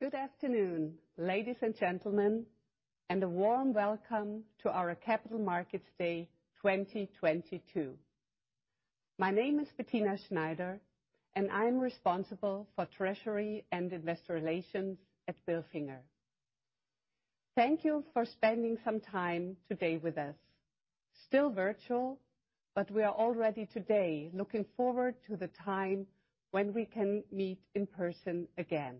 Good afternoon, ladies and gentlemen, and a warm welcome to our Capital Markets Day 2022. My name is Bettina Schneider, and I'm responsible for Treasury and Investor Relations at Bilfinger. Thank you for spending some time today with us. Still virtual, but we are already today looking forward to the time when we can meet in person again.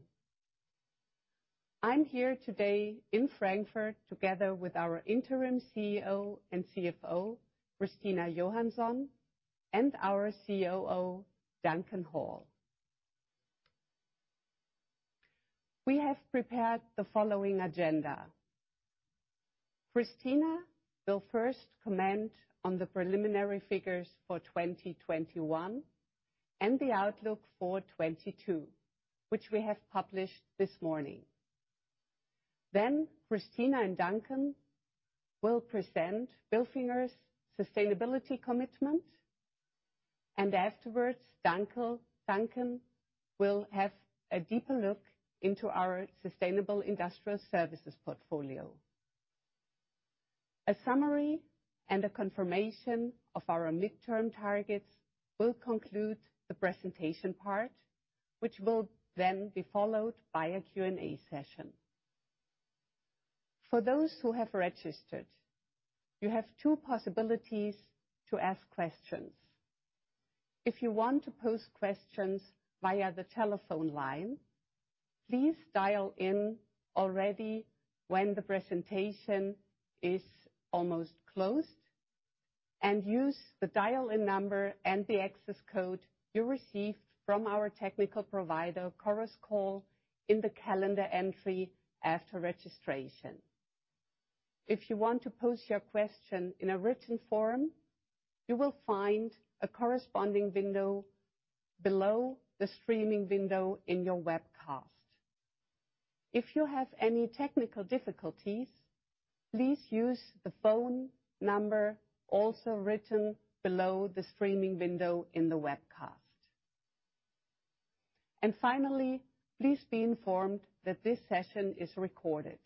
I'm here today in Frankfurt together with our Interim CEO and CFO, Christina Johansson, and our COO, Duncan Hall. We have prepared the following agenda. Christina will first comment on the preliminary figures for 2021 and the outlook for 2022, which we have published this morning. Christina and Duncan will present Bilfinger's sustainability commitment, and afterwards, Duncan will have a deeper look into our sustainable industrial services portfolio. A summary and a confirmation of our midterm targets will conclude the presentation part, which will then be followed by a Q&A session. For those who have registered, you have two possibilities to ask questions. If you want to pose questions via the telephone line, please dial in already when the presentation is almost closed and use the dial-in number and the access code you received from our technical provider, Chorus Call, in the calendar entry after registration. If you want to pose your question in a written form, you will find a corresponding window below the streaming window in your webcast. If you have any technical difficulties, please use the phone number also written below the streaming window in the webcast. Finally, please be informed that this session is recorded.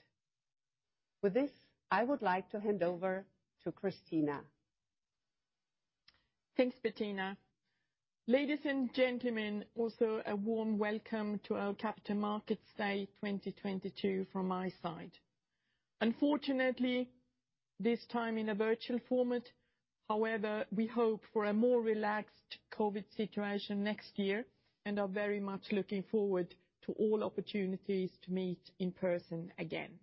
With this, I would like to hand over to Christina. Thanks, Bettina. Ladies and gentlemen, also a warm welcome to our Capital Markets Day 2022 from my side. Unfortunately, this time in a virtual format. However, we hope for a more relaxed COVID situation next year and are very much looking forward to all opportunities to meet in person again.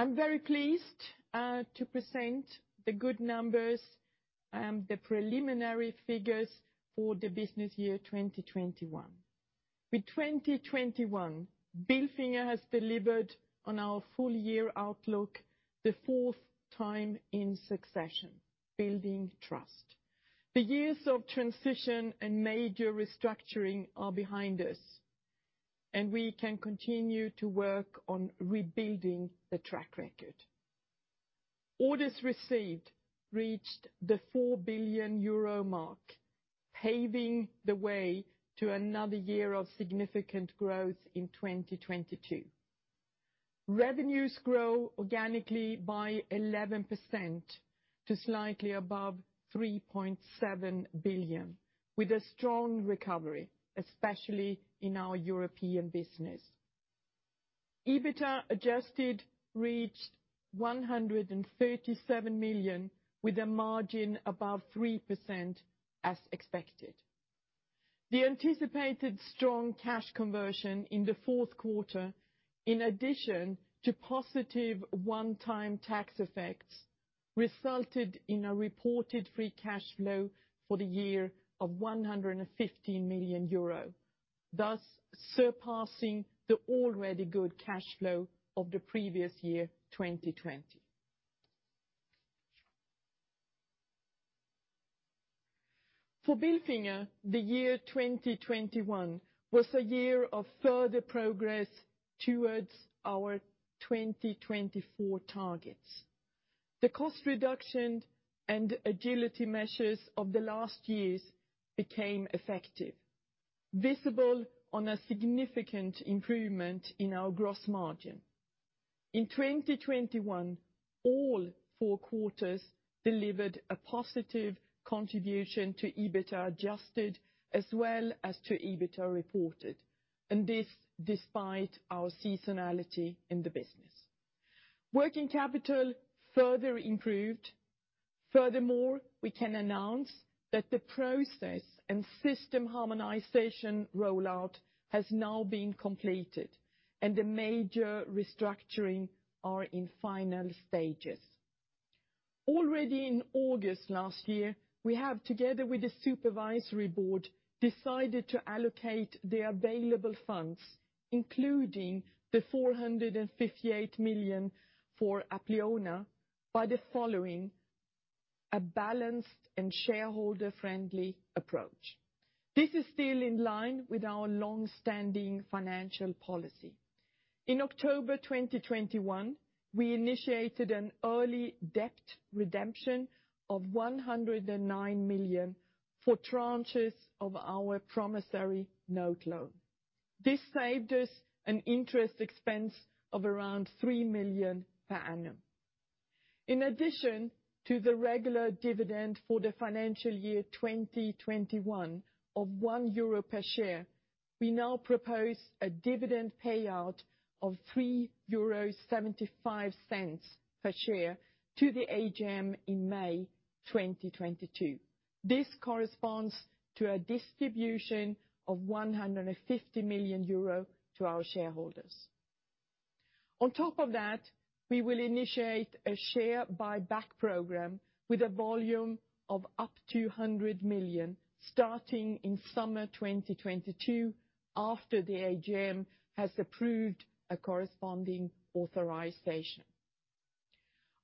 I'm very pleased to present the good numbers, the preliminary figures for the business year 2021. With 2021, Bilfinger has delivered on our full year outlook the fourth time in succession, building trust. The years of transition and major restructuring are behind us, and we can continue to work on rebuilding the track record. Orders received reached the 4 billion euro mark, paving the way to another year of significant growth in 2022. Revenues grow organically by 11% to slightly above 3.7 billion, with a strong recovery, especially in our European business. EBITDA adjusted reached 137 million, with a margin above 3% as expected. The anticipated strong cash conversion in the Q4, in addition to positive one-time tax effects, resulted in a reported free cash flow for the year of 115 million euro, thus surpassing the already good cash flow of the previous year, 2020. For Bilfinger, the year 2021 was a year of further progress towards our 2024 targets. The cost reduction and agility measures of the last years became effective, visible on a significant improvement in our gross margin. In 2021, all four quarters delivered a positive contribution to EBITDA adjusted as well as to EBITDA reported, and this despite our seasonality in the business. Working capital further improved. Furthermore, we can announce that the process and system harmonization rollout has now been completed, and the major restructuring are in final stages. Already in August last year, we have, together with the supervisory board, decided to allocate the available funds, including the 458 million for Apleona, by the following, a balanced and shareholder-friendly approach. This is still in line with our long-standing financial policy. In October 2021, we initiated an early debt redemption of 109 million for tranches of our promissory note loan. This saved us an interest expense of around 3 million per annum. In addition to the regular dividend for the financial year 2021 of 1 euro per share, we now propose a dividend payout of 3.75 euros per share to the AGM in May 2022. This corresponds to a distribution of 150 million euro to our shareholders. On top of that, we will initiate a share buyback program with a volume of up to 100 million, starting in summer 2022 after the AGM has approved a corresponding authorization.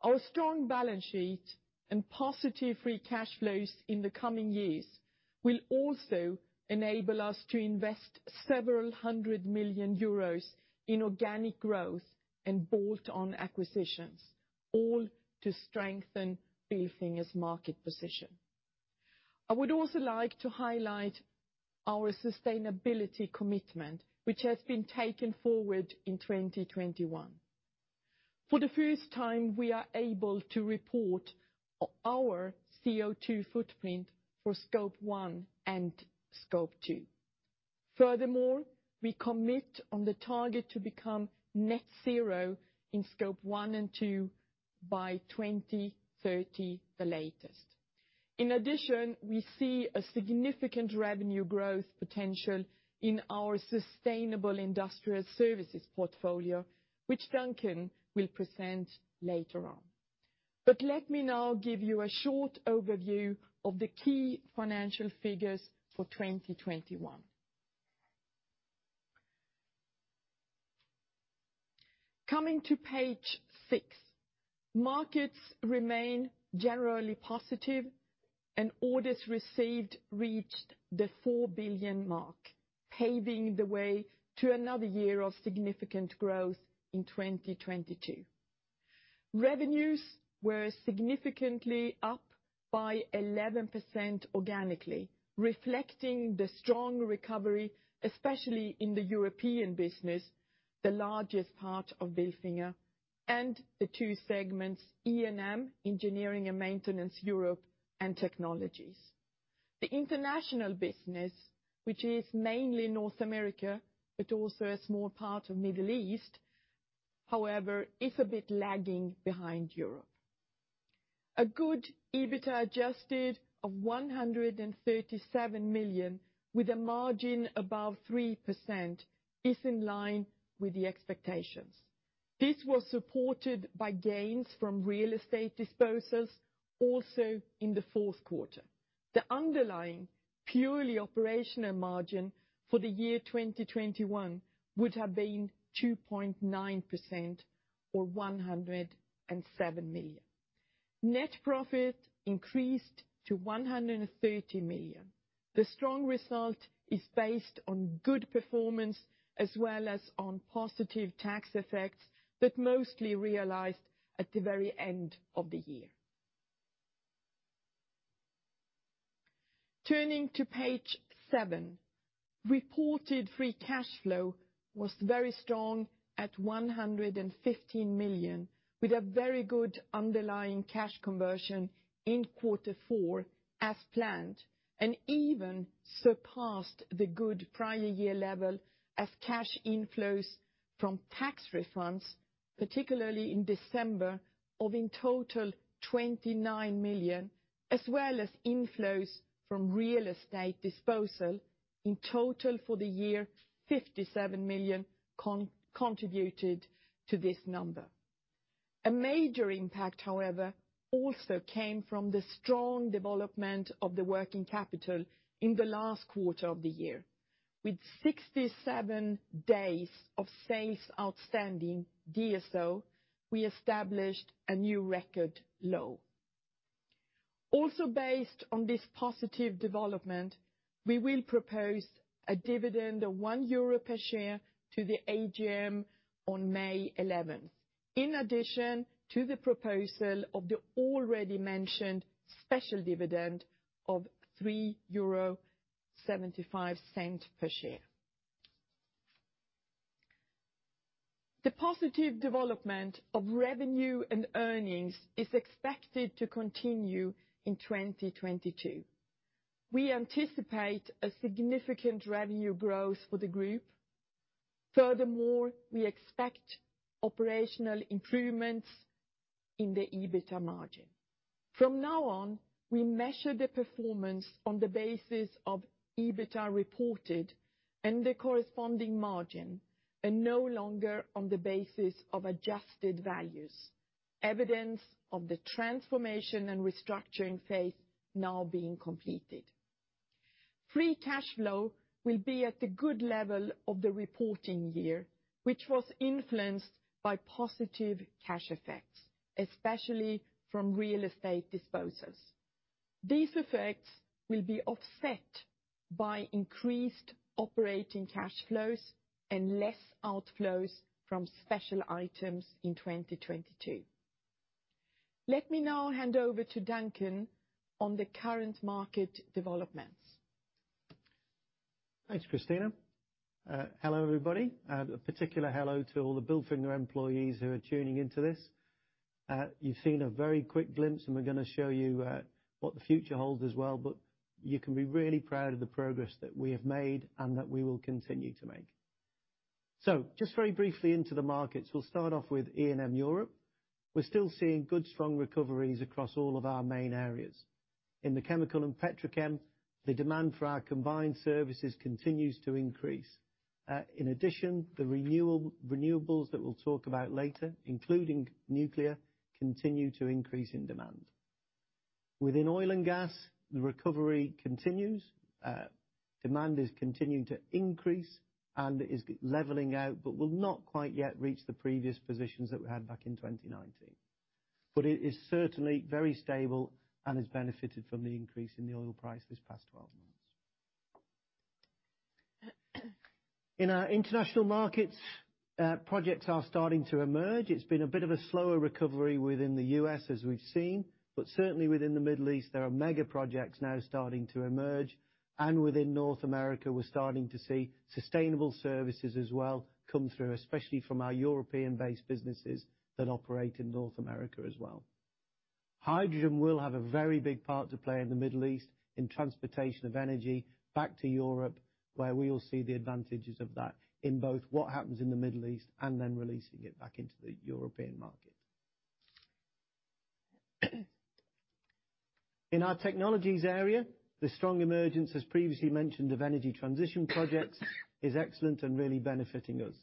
Our strong balance sheet and positive free cash flows in the coming years will also enable us to invest several hundred million EUR in organic growth and bolt-on acquisitions, all to strengthen Bilfinger's market position. I would also like to highlight our sustainability commitment, which has been taken forward in 2021. For the first time, we are able to report our CO2 footprint for Scope 1 and Scope 2. Furthermore, we commit on the target to become net zero in Scope 1 and two by 2030 the latest. In addition, we see a significant revenue growth potential in our sustainable industrial services portfolio, which Duncan will present later on. Let me now give you a short overview of the key financial figures for 2021. Coming to page six. Markets remain generally positive and orders received reached the 4 billion mark, paving the way to another year of significant growth in 2022. Revenues were significantly up by 11% organically, reflecting the strong recovery, especially in the European business, the largest part of Bilfinger, and the two segments, E&M Europe and Technologies. The international business, which is mainly North America but also a small part of Middle East, however, is a bit lagging behind Europe. A good EBITA adjusted of 137 million with a margin above 3% is in line with the expectations. This was supported by gains from real estate disposals also in the Q4. The underlying purely operational margin for the year 2021 would have been 2.9% or 107 million. Net profit increased to 130 million. The strong result is based on good performance as well as on positive tax effects that mostly realized at the very end of the year. Turning to page seven. Reported free cash flow was very strong at 115 million, with a very good underlying cash conversion in quarter four as planned, and even surpassed the good prior year level as cash inflows from tax refunds, particularly in December, of in total 29 million, as well as inflows from real estate disposal. In total for the year, 57 million contributed to this number. A major impact, however, also came from the strong development of the working capital in the last quarter of the year. With 67 days of sales outstanding, DSO, we established a new record low. Also, based on this positive development, we will propose a dividend of 1 euro per share to the AGM on May eleventh, in addition to the proposal of the already mentioned special dividend of 3.75 euro per share. The positive development of revenue and earnings is expected to continue in 2022. We anticipate a significant revenue growth for the group. Furthermore, we expect operational improvements in the EBITA margin. From now on, we measure the performance on the basis of EBITA reported and the corresponding margin, and no longer on the basis of adjusted values, evidence of the transformation and restructuring phase now being completed. Free cash flow will be at the good level of the reporting year, which was influenced by positive cash effects, especially from real estate disposals. These effects will be offset by increased operating cash flows and less outflows from special items in 2022. Let me now hand over to Duncan on the current market developments. Thanks, Christina. Hello, everybody. A particular hello to all the Bilfinger employees who are tuning into this. You've seen a very quick glimpse, and we're going to show you what the future holds as well, but you can be really proud of the progress that we have made and that we will continue to make. Just very briefly into the markets. We'll start off with E&M Europe. We're still seeing good, strong recoveries across all of our main areas. In the chemical and petrochem, the demand for our combined services continues to increase. In addition, the renewables that we'll talk about later, including nuclear, continue to increase in demand. Within oil and gas, the recovery continues. Demand is continuing to increase and is levelling out but will not quite yet reach the previous positions that we had back in 2019. It is certainly very stable and has benefited from the increase in the oil price this past 12 months. In our international markets, projects are starting to emerge. It's been a bit of a slower recovery within the U.S., as we've seen. Certainly within the Middle East, there are mega projects now starting to emerge, and within North America we're starting to see sustainable services as well come through, especially from our European-based businesses that operate in North America as well. Hydrogen will have a very big part to play in the Middle East in transportation of energy back to Europe, where we will see the advantages of that in both what happens in the Middle East and then releasing it back into the European market. In our Technologies area, the strong emergence, as previously mentioned, of energy transition projects is excellent and really benefiting us.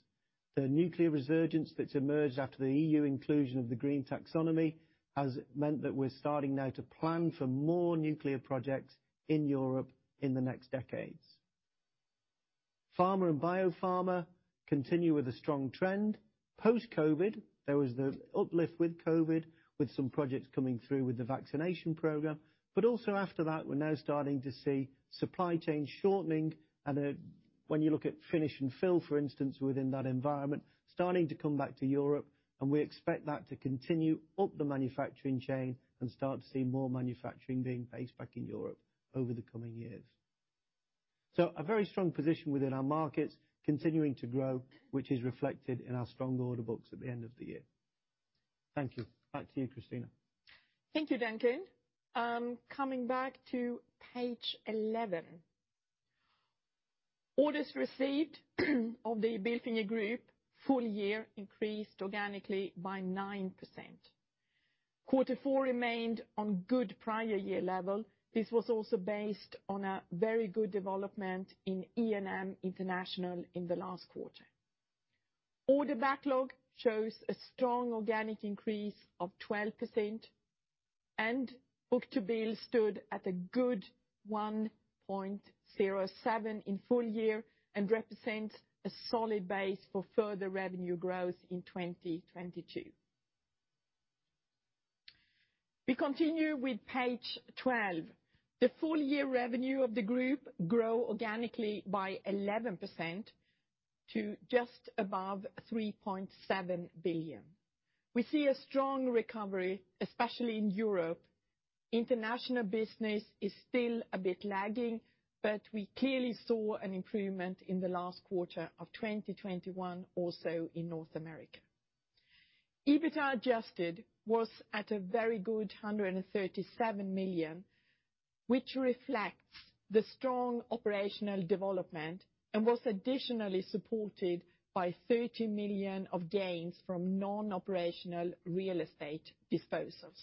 The nuclear resurgence that's emerged after the EU inclusion of the green taxonomy has meant that we're starting now to plan for more nuclear projects in Europe in the next decades. Pharma and biopharma continue with a strong trend. Post-COVID, there was the uplift with COVID, with some projects coming through with the vaccination program, but also after that, we're now starting to see supply chain shortening and when you look at finish and fill, for instance, within that environment, starting to come back to Europe, and we expect that to continue up the manufacturing chain and start to see more manufacturing being based back in Europe over the coming years. A very strong position within our markets continuing to grow, which is reflected in our strong order books at the end of the year. Thank you. Back to you, Christina. Thank you, Duncan. Coming back to page 11. Orders received of the Bilfinger Group full year increased organically by 9%. Q4 remained on good prior year level. This was also based on a very good development in E&M International in the last quarter. Order backlog shows a strong organic increase of 12%, and book-to-bill stood at a good 1.07 in full year and represents a solid base for further revenue growth in 2022. We continue with page 12. The full year revenue of the group grew organically by 11% to just above 3.7 billion. We see a strong recovery, especially in Europe. International business is still a bit lagging, but we clearly saw an improvement in the last quarter of 2021 also in North America. EBITA adjusted was at a very good 137 million, which reflects the strong operational development and was additionally supported by 30 million of gains from non-operational real estate disposals.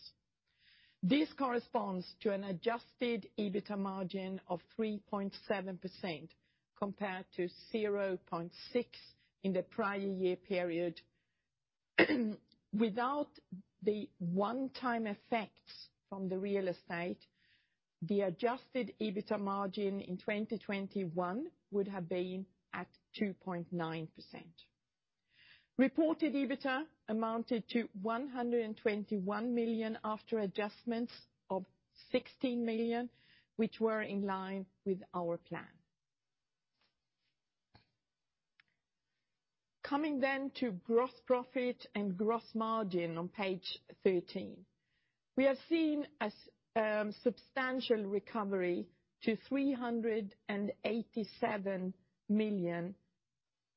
This corresponds to an adjusted EBITA margin of 3.7% compared to 0.6% in the prior year period. Without the one-time effects from the real estate, the adjusted EBITA margin in 2021 would have been at 2.9%. Reported EBITA amounted to 121 million after adjustments of 16 million, which were in line with our plan. Coming to gross profit and gross margin on page 13. We have seen a substantial recovery to 387 million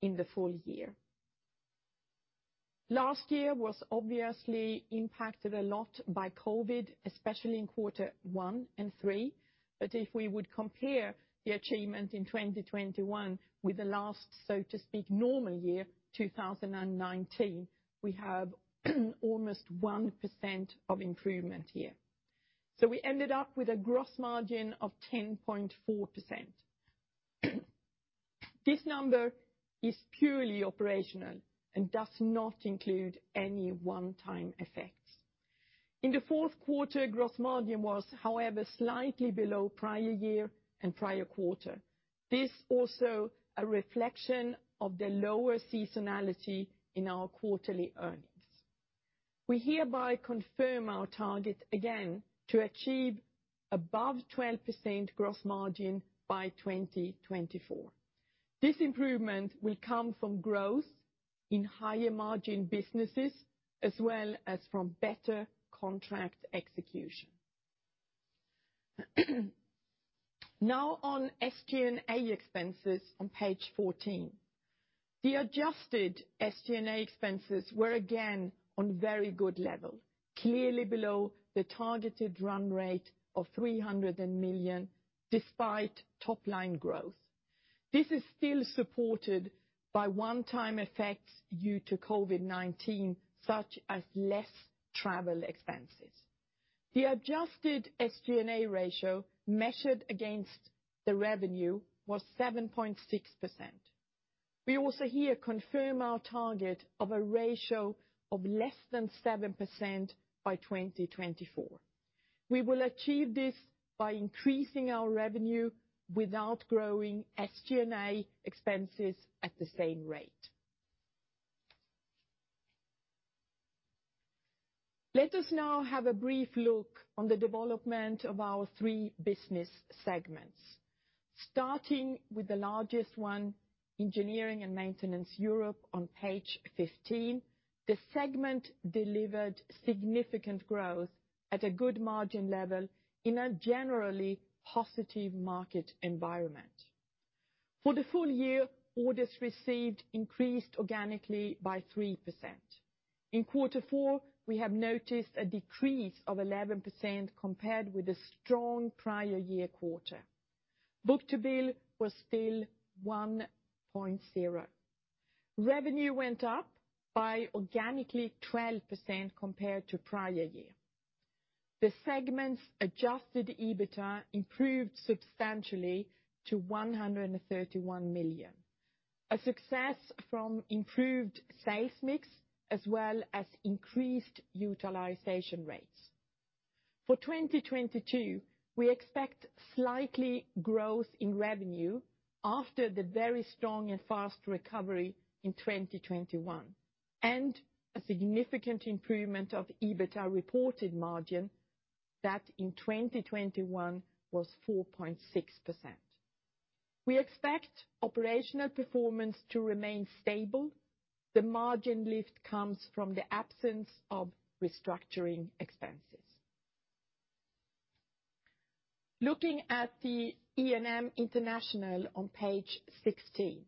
in the full year. Last year was obviously impacted a lot by COVID, especially in quarter one and three. If we would compare the achievement in 2021 with the last, so to speak, normal year, 2019, we have almost 1% improvement here. We ended up with a gross margin of 10.4%. This number is purely operational and does not include any one-time effects. In the Q4, gross margin was, however, slightly below prior year and prior quarter. This is also a reflection of the lower seasonality in our quarterly earnings. We hereby confirm our target again to achieve above 12% gross margin by 2024. This improvement will come from growth in higher margin businesses as well as from better contract execution. Now on SG&A expenses on page 14. The adjusted SG&A expenses were again on very good level, clearly below the targeted run rate of 300 million despite top line growth. This is still supported by one-time effects due to COVID-19, such as less travel expenses. The adjusted SG&A ratio measured against the revenue was 7.6%. We also here confirm our target of a ratio of less than 7% by 2024. We will achieve this by increasing our revenue without growing SG&A expenses at the same rate. Let us now have a brief look on the development of our three business segments. Starting with the largest one, Engineering and Maintenance Europe on page 15, the segment delivered significant growth at a good margin level in a generally positive market environment. For the full year, orders received increased organically by 3%. In quarter four, we have noticed a decrease of 11% compared with the strong prior year quarter. Book-to-bill was still 1.0. Revenue went up by organically 12% compared to prior year. The segment's adjusted EBITDA improved substantially to 131 million, a success from improved sales mix as well as increased utilization rates. For 2022, we expect slightly growth in revenue after the very strong and fast recovery in 2021, and a significant improvement of EBITDA reported margin that in 2021 was 4.6%. We expect operational performance to remain stable. The margin lift comes from the absence of restructuring expenses. Looking at the E&M International on page 16,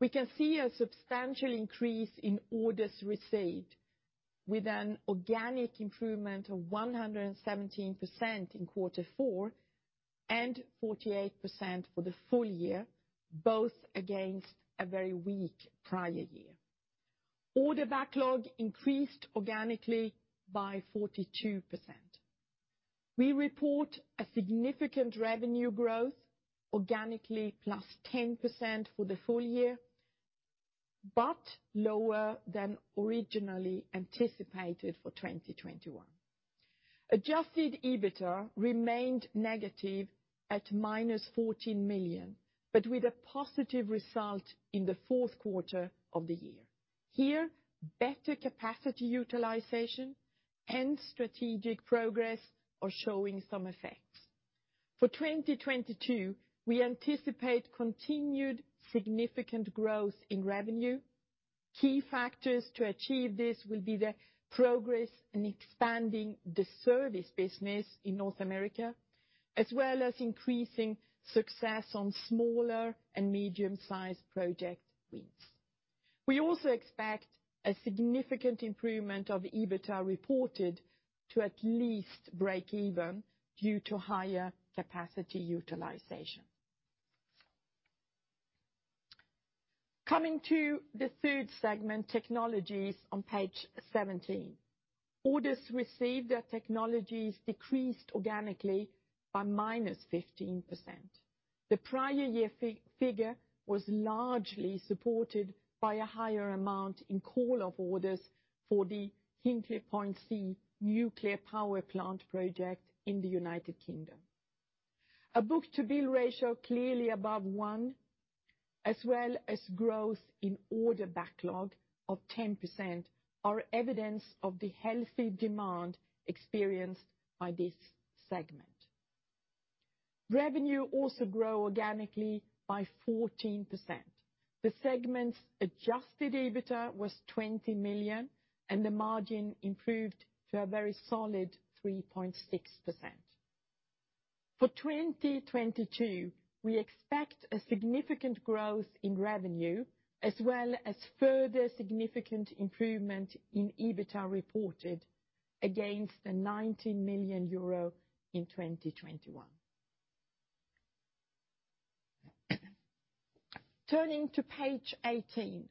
we can see a substantial increase in orders received with an organic improvement of 117% in quarter four, and 48% for the full year, both against a very weak prior year. Order backlog increased organically by 42%. We report a significant revenue growth organically +10% for the full year, but lower than originally anticipated for 2021. Adjusted EBITDA remained negative at -14 million, but with a positive result in the Q4 of the year. Here, better capacity utilization and strategic progress are showing some effects. For 2022, we anticipate continued significant growth in revenue. Key factors to achieve this will be the progress in expanding the service business in North America, as well as increasing success on smaller and medium-sized project wins. We also expect a significant improvement of EBITDA reported to at least break even due to higher capacity utilization. Coming to the third segment, Technologies on page 17. Orders received at Technologies decreased organically by -15%. The prior year figure was largely supported by a higher amount in call-off orders for the Hinkley Point C nuclear power plant project in the United Kingdom. A book-to-bill ratio clearly above 1, as well as growth in order backlog of 10% are evidence of the healthy demand experienced by this segment. Revenue also grew organically by 14%. The segment's adjusted EBITDA was 20 million, and the margin improved to a very solid 3.6%. For 2022, we expect a significant growth in revenue as well as further significant improvement in EBITDA reported against the 90 million euro in 2021. Turning to page 18.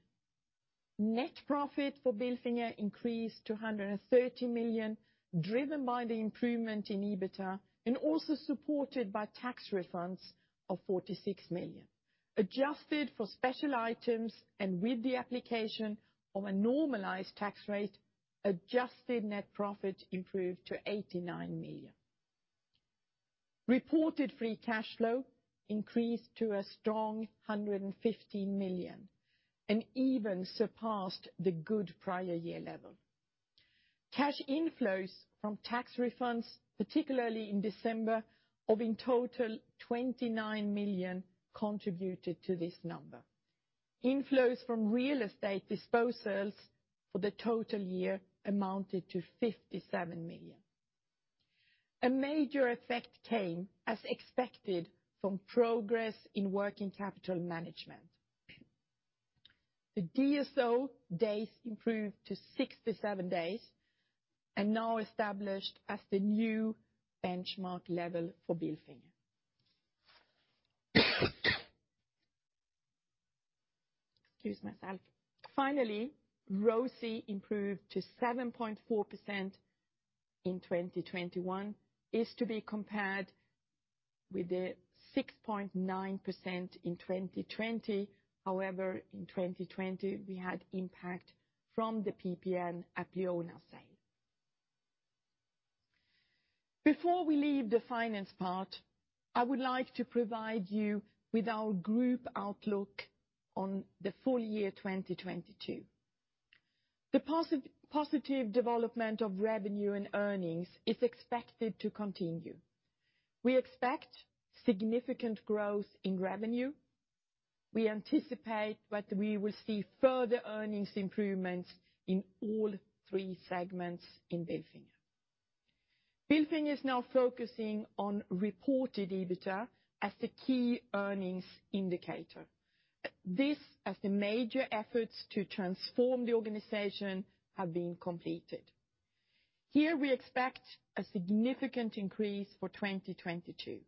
Net profit for Bilfinger increased to 130 million, driven by the improvement in EBITDA and also supported by tax refunds of 46 million. Adjusted for special items and with the application of a normalized tax rate, adjusted net profit improved to 89 million. Reported free cash flow increased to a strong 115 million, and even surpassed the good prior year level. Cash inflows from tax refunds, particularly in December, of in total 29 million contributed to this number. Inflows from real estate disposals for the total year amounted to 57 million. A major effect came, as expected, from progress in working capital management. The DSO days improved to 67 days, and now established as the new benchmark level for Bilfinger. Excuse myself. Finally, ROCE improved to 7.4% in 2021, is to be compared with the 6.9% in 2020. However, in 2020, we had impact from the PPN at the owner sale. Before we leave the finance part, I would like to provide you with our group outlook on the full year 2022. The positive development of revenue and earnings is expected to continue. We expect significant growth in revenue. We anticipate that we will see further earnings improvements in all three segments in Bilfinger. Bilfinger is now focusing on reported EBITDA as the key earnings indicator. This, as the major efforts to transform the organization, have been completed. Here, we expect a significant increase for 2022.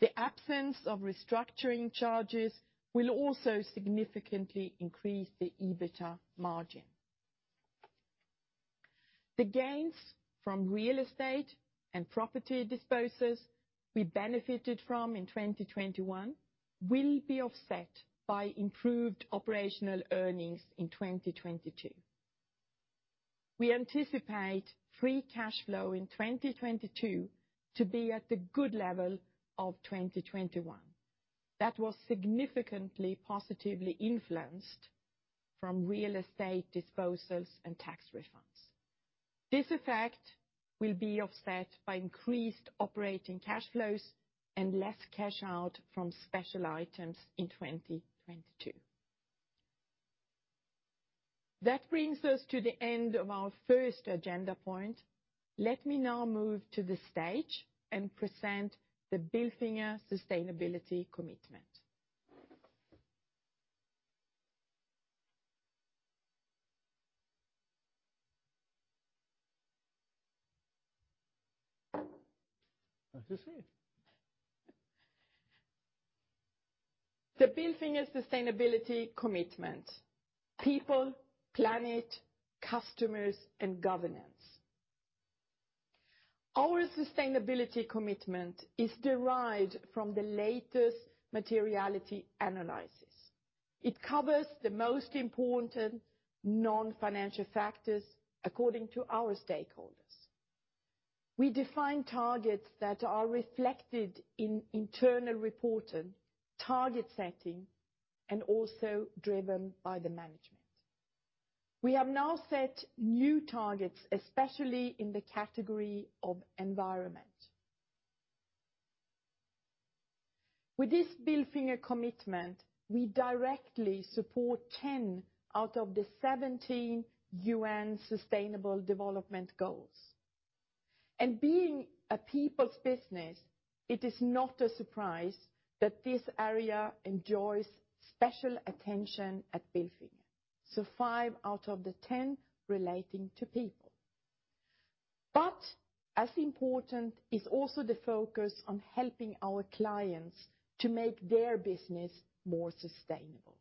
The absence of restructuring charges will also significantly increase the EBITDA margin. The gains from real estate and property disposals we benefited from in 2021 will be offset by improved operational earnings in 2022. We anticipate free cash flow in 2022 to be at the good level of 2021. That was significantly positively influenced from real estate disposals and tax refunds. This effect will be offset by increased operating cash flows and less cash out from special items in 2022. That brings us to the end of our first agenda point. Let me now move to the stage and present the Bilfinger sustainability commitment. Have a seat. The Bilfinger sustainability commitment: people, planet, customers, and governance. Our sustainability commitment is derived from the latest materiality analysis. It covers the most important non-financial factors according to our stakeholders. We define targets that are reflected in internal reporting, target setting, and also driven by the management. We have now set new targets, especially in the category of environment. With this Bilfinger commitment, we directly support 10 out of the 17 UN Sustainable Development Goals. Being a people's business, it is not a surprise that this area enjoys special attention at Bilfinger. Five out of the 10 relating to people. As important is also the focus on helping our clients to make their business more sustainable.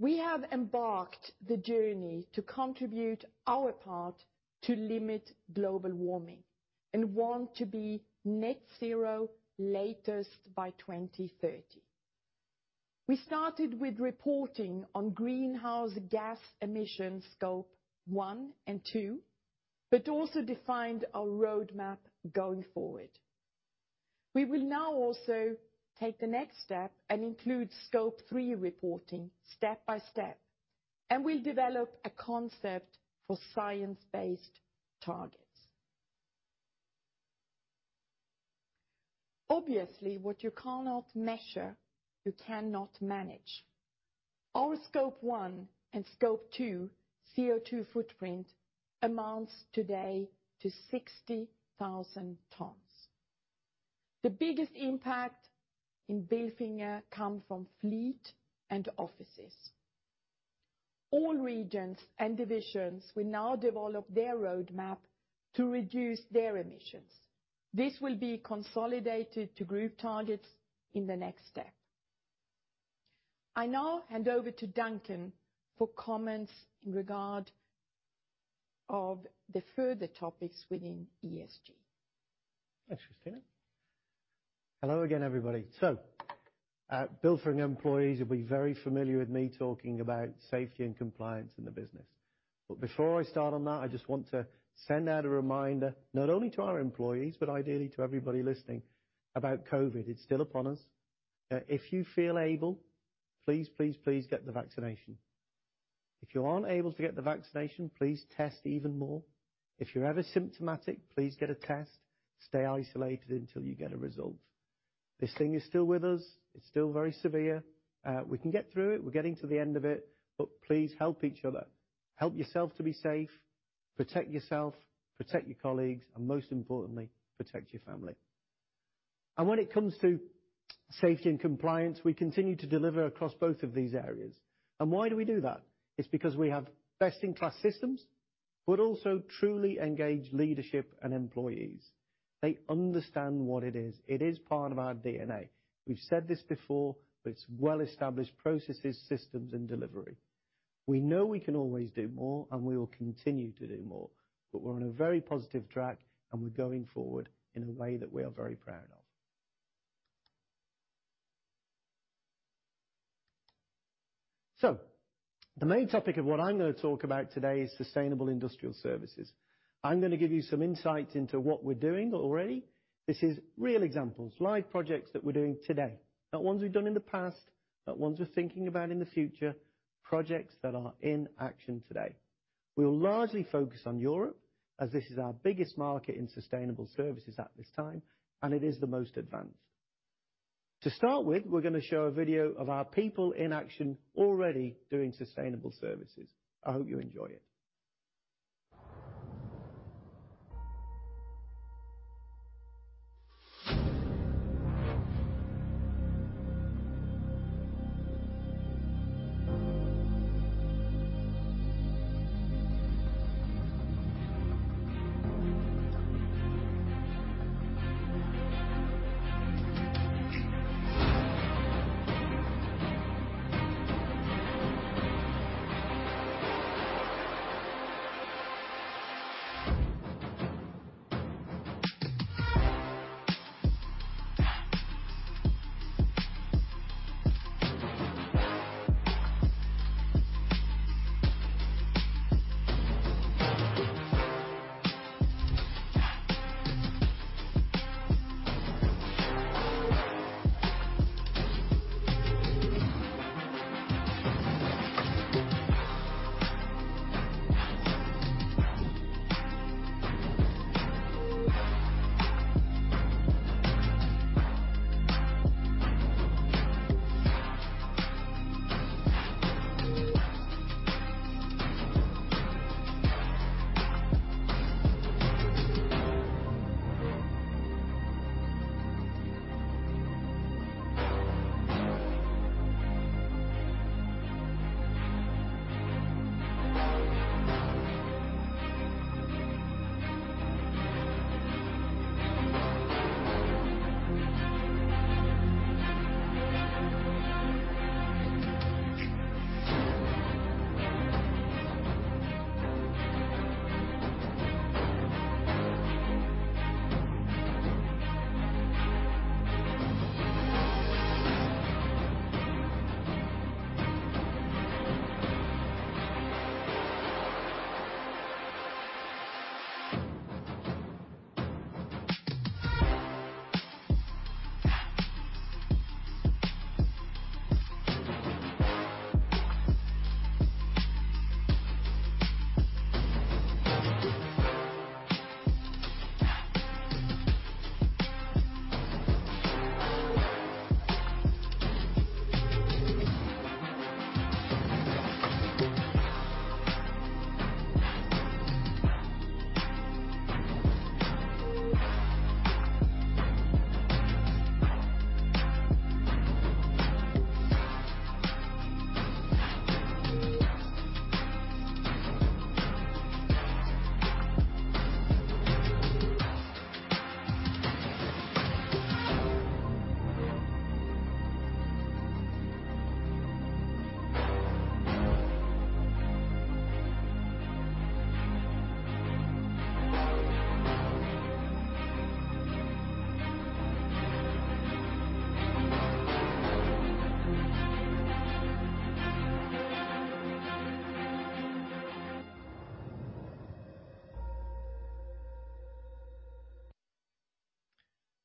We have embarked on the journey to contribute our part to limit global warming, and want to be net zero latest by 2030. We started with reporting on greenhouse gas emissions Scope 1 and 2, but also defined our roadmap going forward. We will now also take the next step and include Scope 3 reporting step by step, and we'll develop a concept for science-based targets. Obviously, what you cannot measure, you cannot manage. Our Scope 1 and Scope 2 CO2 footprint amounts today to 60,000 tons. The biggest impact in Bilfinger come from fleet and offices. All regions and divisions will now develop their roadmap to reduce their emissions. This will be consolidated to group targets in the next step. I now hand over to Duncan for comments in regard of the further topics within ESG. Thanks, Christina. Hello again, everybody. Bilfinger employees will be very familiar with me talking about safety and compliance in the business. Before I start on that, I just want to send out a reminder, not only to our employees, but ideally to everybody listening about COVID. It's still upon us. If you feel able, please, please get the vaccination. If you aren't able to get the vaccination, please test even more. If you're ever symptomatic, please get a test. Stay isolated until you get a result. This thing is still with us. It's still very severe. We can get through it. We're getting to the end of it, but please help each other. Help yourself to be safe, protect yourself, protect your colleagues, and most importantly, protect your family. When it comes to safety and compliance, we continue to deliver across both of these areas. Why do we do that? It's because we have best-in-class systems, but also truly engaged leadership and employees. They understand what it is. It is part of our DNA. We've said this before, but it's well-established processes, systems, and delivery. We know we can always do more, and we will continue to do more. We're on a very positive track, and we're going forward in a way that we are very proud of. The main topic of what I'm going to talk about today is sustainable industrial services. I'm going to give you some insights into what we're doing already. This is real examples, live projects that we're doing today. Not ones we've done in the past, not ones we're thinking about in the future, projects that are in action today. We'll largely focus on Europe as this is our biggest market in sustainable services at this time, and it is the most advanced. To start with, we're going to show a video of our people in action already doing sustainable services. I hope you enjoy it.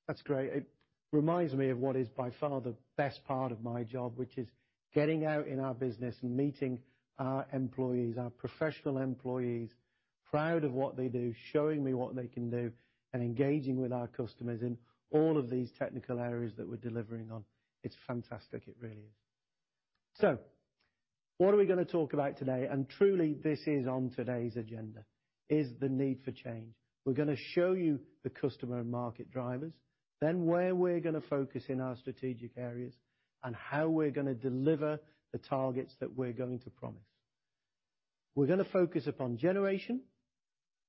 That's great. It reminds me of what is by far the best part of my job, which is getting out in our business and meeting our employees, our professional employees, proud of what they do, showing me what they can do, and engaging with our customers in all of these technical areas that we're delivering on. It's fantastic. It really is. What are we going to talk about today? Truly, this, on today's agenda, is the need for change. We're going to show you the customer and market drivers, then where we're going to focus in our strategic areas and how we're going to deliver the targets that we're going to promise. We're going to focus upon generation,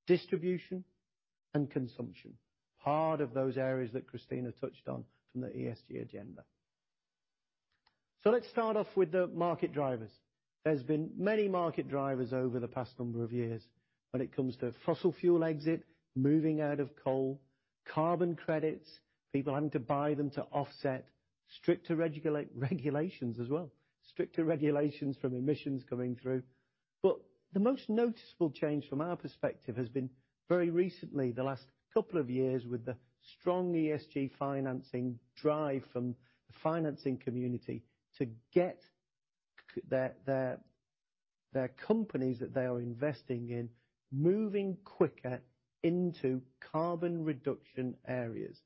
distribution, and consumption. Part of those areas that Christina touched on from the ESG agenda. Let's start off with the market drivers. There's been many market drivers over the past number of years when it comes to fossil fuel exit, moving out of coal, carbon credits, people having to buy them to offset, stricter regulations as well from emissions coming through. The most noticeable change from our perspective has been very recently, the last couple of years, with the strong ESG financing drive from the financing community to get their companies that they are investing in moving quicker into carbon reduction areas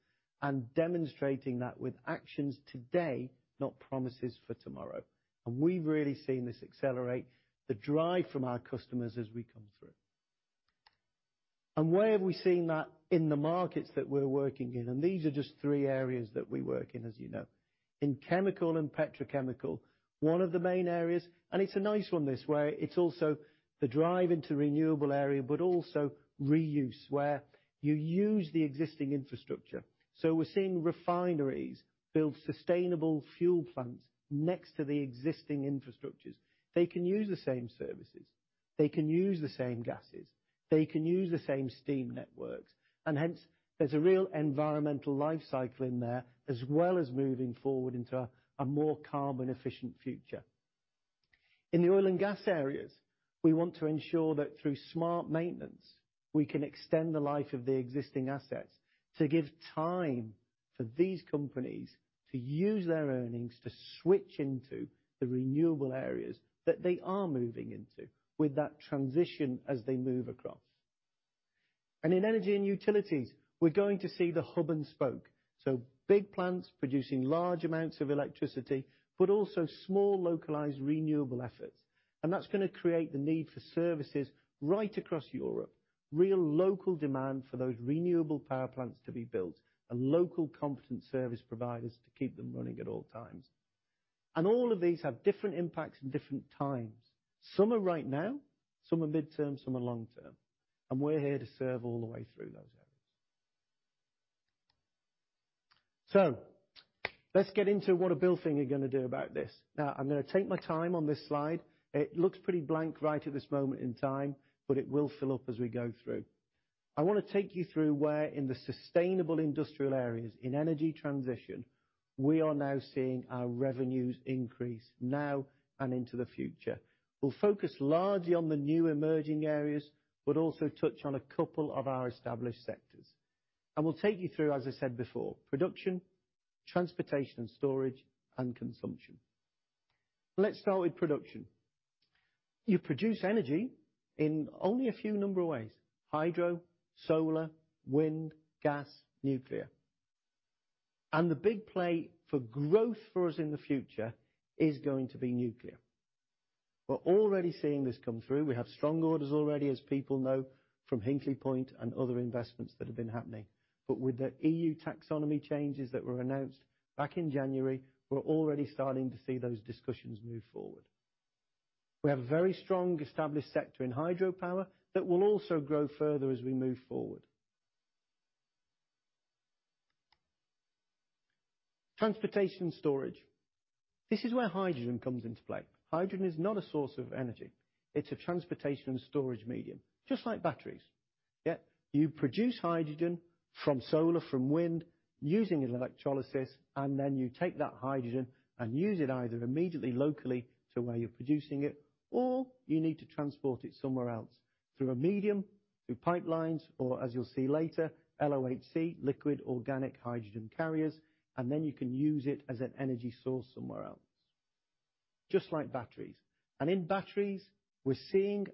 and demonstrating that with actions today, not promises for tomorrow. We've really seen this accelerate the drive from our customers as we come through. Where have we seen that in the markets that we're working in? These are just three areas that we work in, as you know. In chemical and petrochemical, one of the main areas, and it's a nice one this, where it's also the drive into renewable area, but also reuse, where you use the existing infrastructure. We're seeing refineries build sustainable fuel plants next to the existing infrastructures. They can use the same services, they can use the same gases, they can use the same steam networks, and hence, there's a real environmental life cycle in there, as well as moving forward into a more carbon efficient future. In the oil and gas areas, we want to ensure that through smart maintenance, we can extend the life of the existing assets to give time for these companies to use their earnings to switch into the renewable areas that they are moving into with that transition as they move across. In energy and utilities, we're going to see the hub and spoke, so big plants producing large amounts of electricity, but also small, localized renewable efforts. That's going to create the need for services right across Europe, real local demand for those renewable power plants to be built and local competent service providers to keep them running at all times. All of these have different impacts and different times. Some are right now, some are midterm, some are long-term, and we're here to serve all the way through those areas. Let's get into what are Bilfinger going to do about this. Now, I'm going to take my time on this slide. It looks pretty blank right at this moment in time, but it will fill up as we go through. I wanna take you through where in the sustainable industrial areas in energy transition we are now seeing our revenues increase now and into the future. We'll focus largely on the new emerging areas, but also touch on a couple of our established sectors. We'll take you through, as I said before, production, transportation and storage, and consumption. Let's start with production. You produce energy in only a few number of ways: hydro, solar, wind, gas, nuclear. The big play for growth for us in the future is going to be nuclear. We're already seeing this come through. We have strong orders already, as people know, from Hinkley Point and other investments that have been happening. With the EU taxonomy changes that were announced back in January, we're already starting to see those discussions move forward. We have a very strong established sector in hydropower that will also grow further as we move forward. Transportation storage. This is where hydrogen comes into play. Hydrogen is not a source of energy. It's a transportation and storage medium, just like batteries. Yet you produce hydrogen from solar, from wind, using electrolysis, and then you take that hydrogen and use it either immediately, locally to where you're producing it, or you need to transport it somewhere else through a medium, through pipelines, or as you'll see later, LOHC, liquid organic hydrogen carriers, and then you can use it as an energy source somewhere else. Just like batteries. In batteries, we're seeing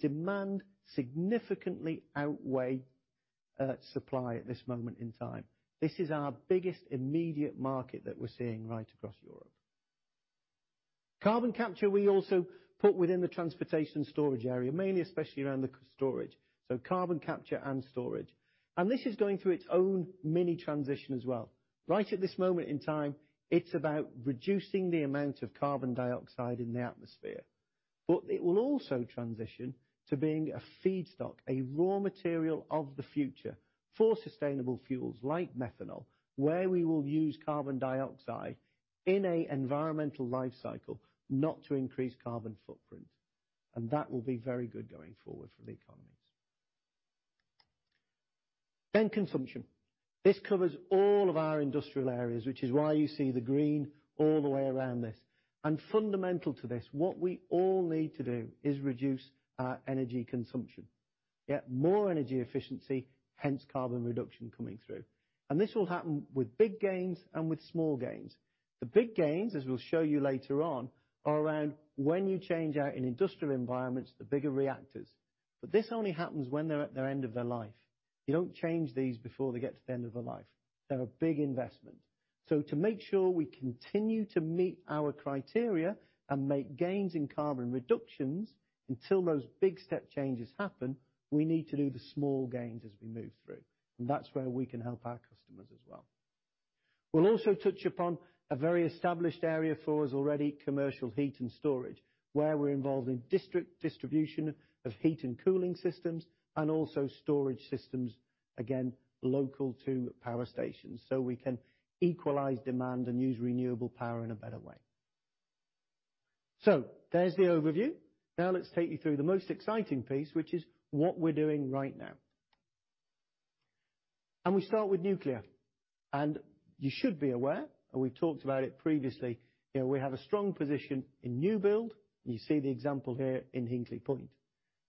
demand significantly outweigh supply at this moment in time. This is our biggest immediate market that we're seeing right across Europe. Carbon capture, we also put within the transportation storage area, mainly especially around the storage, so carbon capture and storage. This is going through its own mini transition as well. Right at this moment in time, it's about reducing the amount of carbon dioxide in the atmosphere. It will also transition to being a feedstock, a raw material of the future for sustainable fuels like methanol, where we will use carbon dioxide in an environmental life cycle, not to increase carbon footprint. That will be very good going forward for the economies. Then consumption. This covers all of our industrial areas, which is why you see the green all the way around this. Fundamental to this, what we all need to do is reduce our energy consumption. Get more energy efficiency, hence carbon reduction coming through. This will happen with big gains and with small gains. The big gains, as we'll show you later on, are around when you change out in industrial environments, the bigger reactors. This only happens when they're at their end of their life. You don't change these before they get to the end of their life. They're a big investment. To make sure we continue to meet our criteria and make gains in carbon reductions until those big step changes happen, we need to do the small gains as we move through. That's where we can help our customers as well. We'll also touch upon a very established area for us already, commercial heat and storage, where we're involved in district distribution of heat and cooling systems, and also storage systems, again, local to power stations. We can equalize demand and use renewable power in a better way. There's the overview. Now let's take you through the most exciting piece, which is what we're doing right now. We start with nuclear. You should be aware, and we've talked about it previously, you know, we have a strong position in new build. You see the example here in Hinkley Point.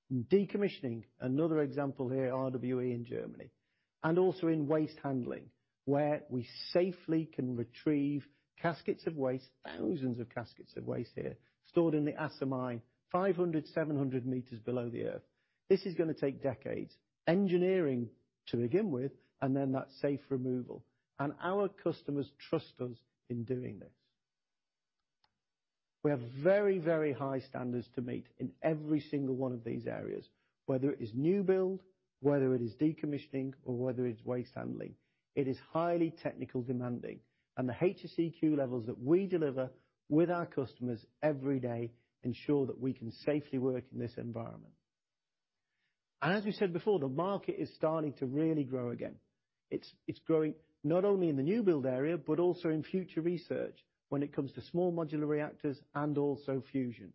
In decommissioning, another example here, RWE in Germany. Also in waste handling, where we safely can retrieve caskets of waste, thousands of caskets of waste here, stored in the Asse mine 500, 700 meters below the earth. This is going to take decades, engineering to begin with, and then that safe removal. Our customers trust us in doing this. We have very, very high standards to meet in every single one of these areas, whether it's new build, whether it is decommissioning, or whether it's waste handling. It is highly technical demanding, and the HSEQ levels that we deliver with our customers every day ensure that we can safely work in this environment. As we said before, the market is starting to really grow again. It's growing not only in the new build area, but also in future research when it comes to small modular reactors and also fusion.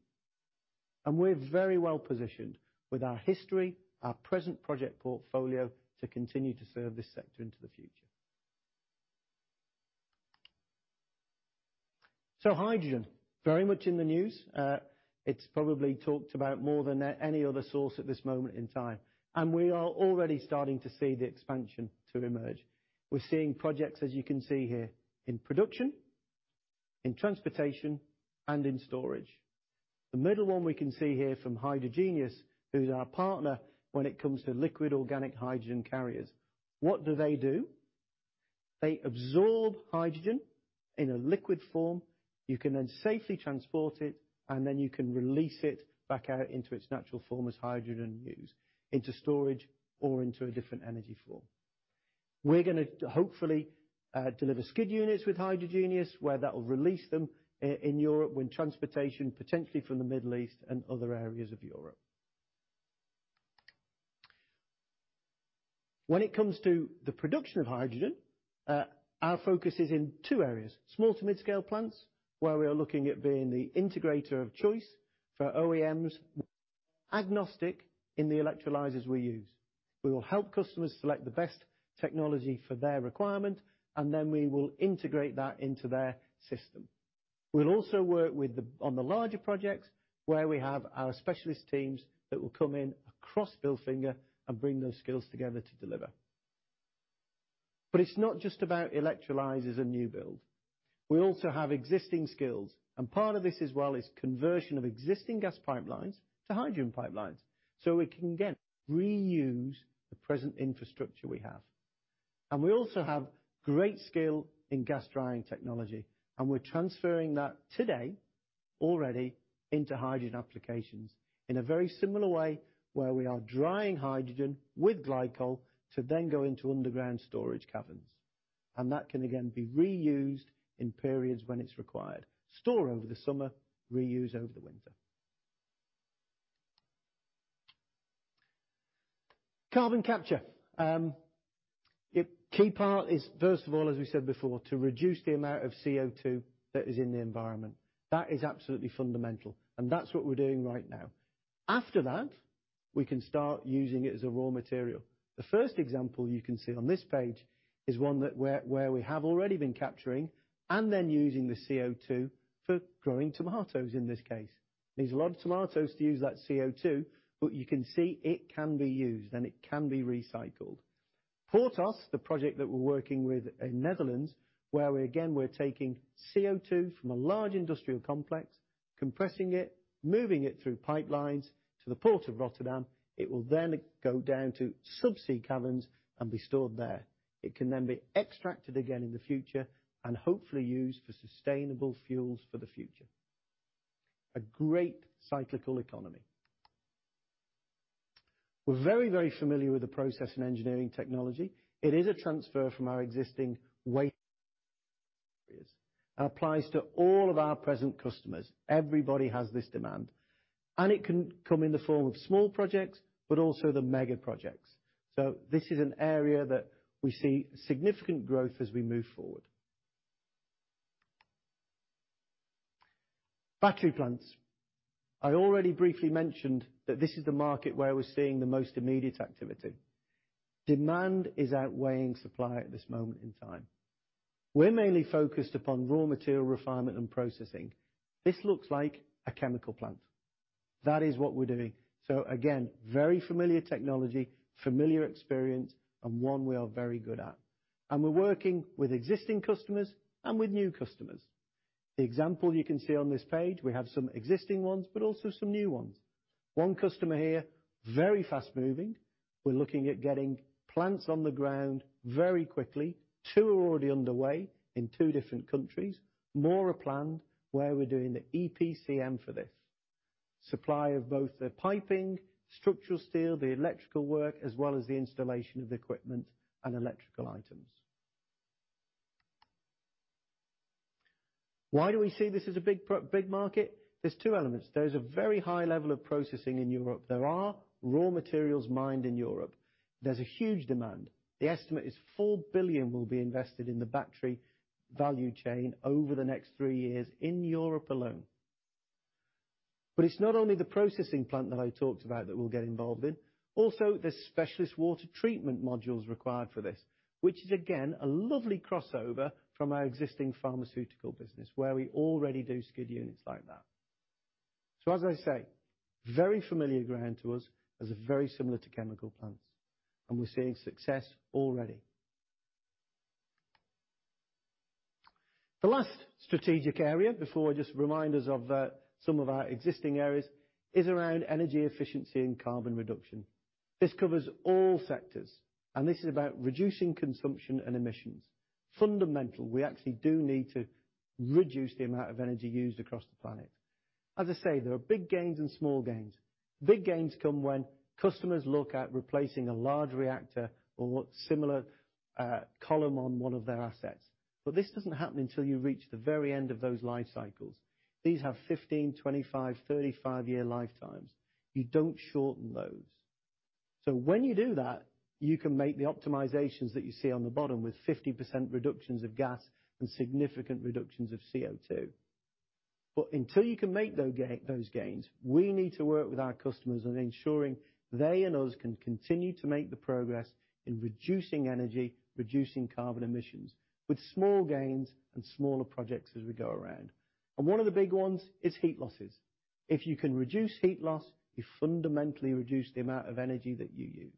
We're very well positioned with our history, our present project portfolio, to continue to serve this sector into the future. Hydrogen, very much in the news. It's probably talked about more than any other source at this moment in time. We are already starting to see the expansion to emerge. We're seeing projects, as you can see here, in production, in transportation, and in storage. The middle one we can see here from Hydrogenious, who's our partner when it comes to liquid organic hydrogen carriers. What do they do? They absorb hydrogen in a liquid form. You can then safely transport it, and then you can release it back out into its natural form as hydrogen and used into storage or into a different energy form. We're going to hopefully deliver skid units with Hydrogenious, where that will release them in Europe when transportation potentially from the Middle East and other areas of Europe. When it comes to the production of hydrogen, our focus is in two areas, small to mid-scale plants, where we are looking at being the integrator of choice for OEMs, agnostic in the electrolyzers we use. We will help customers select the best technology for their requirement, and then we will integrate that into their system. We'll also work on the larger projects, where we have our specialist teams that will come in across Bilfinger and bring those skills together to deliver. It's not just about electrolyzers and new build. We also have existing skills, and part of this as well is conversion of existing gas pipelines to hydrogen pipelines, so we can again reuse the present infrastructure we have. We also have great skill in gas drying technology, and we're transferring that today already into hydrogen applications in a very similar way, where we are drying hydrogen with glycol to then go into underground storage caverns. That can again be reused in periods when it's required. Store over the summer, reuse over the winter. Carbon capture. A key part is, first of all, as we said before, to reduce the amount of CO2 that is in the environment. That is absolutely fundamental, and that's what we're doing right now. After that, we can start using it as a raw material. The first example you can see on this page is one where we have already been capturing and then using the CO2 for growing tomatoes, in this case. It needs a lot of tomatoes to use that CO2, but you can see it can be used and it can be recycled. Porthos, the project that we're working with in the Netherlands, where we're taking CO2 from a large industrial complex, compressing it, moving it through pipelines to the Port of Rotterdam. It will then go down to sub-sea caverns and be stored there. It can then be extracted again in the future and hopefully used for sustainable fuels for the future. A great cyclical economy. We're very familiar with the process in engineering technology. It is a transfer from our existing waste areas and applies to all of our present customers. Everybody has this demand. It can come in the form of small projects, but also the mega projects. This is an area that we see significant growth as we move forward. Battery plants. I already briefly mentioned that this is the market where we're seeing the most immediate activity. Demand is outweighing supply at this moment in time. We're mainly focused upon raw material refinement and processing. This looks like a chemical plant. That is what we're doing. Again, very familiar technology, familiar experience, and one we are very good at. We're working with existing customers and with new customers. The example you can see on this page, we have some existing ones, but also some new ones. One customer here, very fast-moving. We're looking at getting plants on the ground very quickly. Two are already underway in two different countries. More are planned where we're doing the EPCM for this. Supply of both the piping, structural steel, the electrical work, as well as the installation of equipment and electrical items. Why do we see this as a big market? There's 2 elements. There is a very high level of processing in Europe. There are raw materials mined in Europe. There's a huge demand. The estimate is 4 billion will be invested in the battery value chain over the next 3 years in Europe alone. It's not only the processing plant that I talked about that we'll get involved in, also the specialist water treatment modules required for this, which is again, a lovely crossover from our existing pharmaceutical business where we already do skid units like that. As I say, very familiar ground to us as they're very similar to chemical plants, and we're seeing success already. The last strategic area, before I just remind us of some of our existing areas, is around energy efficiency and carbon reduction. This covers all sectors, and this is about reducing consumption and emissions. Fundamentally, we actually do need to reduce the amount of energy used across the planet. As I say, there are big gains and small gains. Big gains come when customers look at replacing a large reactor or similar column on one of their assets. This doesn't happen until you reach the very end of those life cycles. These have 15, 25, 35 year lifetimes. You don't shorten those. When you do that, you can make the optimizations that you see on the bottom with 50% reductions of gas and significant reductions of CO2. Until you can make those gains, we need to work with our customers on ensuring they and us can continue to make the progress in reducing energy, reducing carbon emissions with small gains and smaller projects as we go around. One of the big ones is heat losses. If you can reduce heat loss, you fundamentally reduce the amount of energy that you use.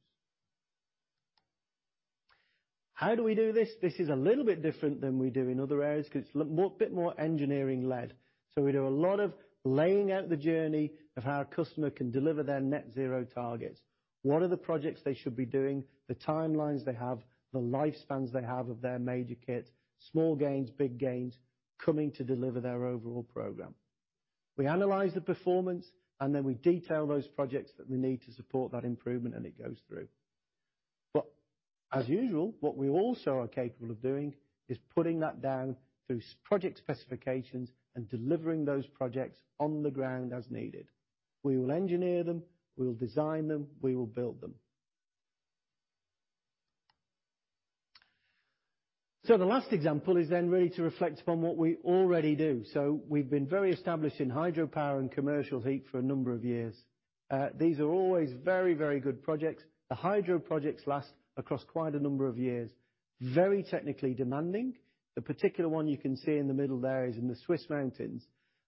How do we do this? This is a little bit different than we do in other areas 'cause it's bit more engineering led. We do a lot of laying out the journey of how a customer can deliver their net zero targets. What are the projects they should be doing, the timelines they have, the lifespans they have of their major kit, small gains, big gains, coming to deliver their overall program. We analyze the performance, and then we detail those projects that we need to support that improvement and it goes through. As usual, what we also are capable of doing is putting that down through sub-project specifications and delivering those projects on the ground as needed. We will engineer them, we will design them, we will build them. The last example is then really to reflect upon what we already do. We've been very established in hydropower and commercial heat for a number of years. These are always very, very good projects. The hydro projects last across quite a number of years, very technically demanding. The particular one you can see in the middle there is in the Swiss mountains,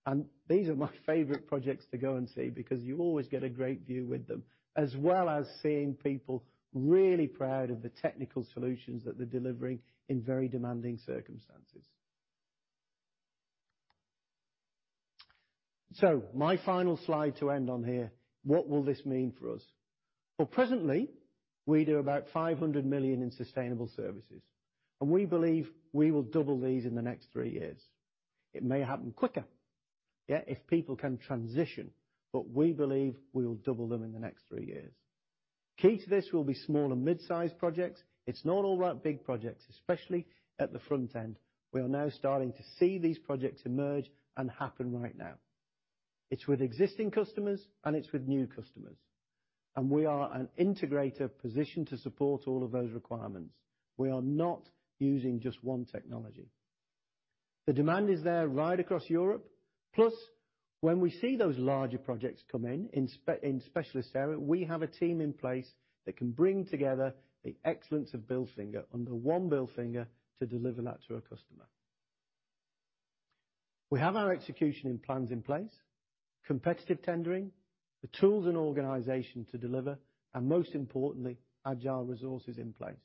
and these are my favorite projects to go and see because you always get a great view with them, as well as seeing people really proud of the technical solutions that they're delivering in very demanding circumstances. My final slide to end on here, what will this mean for us? Well, presently, we do about 500 million in sustainable services, and we believe we will double these in the next three years. It may happen quicker, yeah, if people can transition, but we believe we will double them in the next three years. Key to this will be small and mid-size projects. It's not all about big projects, especially at the front end. We are now starting to see these projects emerge and happen right now. It's with existing customers and it's with new customers, and we are an integrator positioned to support all of those requirements. We are not using just one technology. The demand is there right across Europe. When we see those larger projects come in in specialist areas, we have a team in place that can bring together the excellence of Bilfinger under one Bilfinger to deliver that to a customer. We have our execution and plans in place, competitive tendering, the tools and organization to deliver, and most importantly, agile resources in place.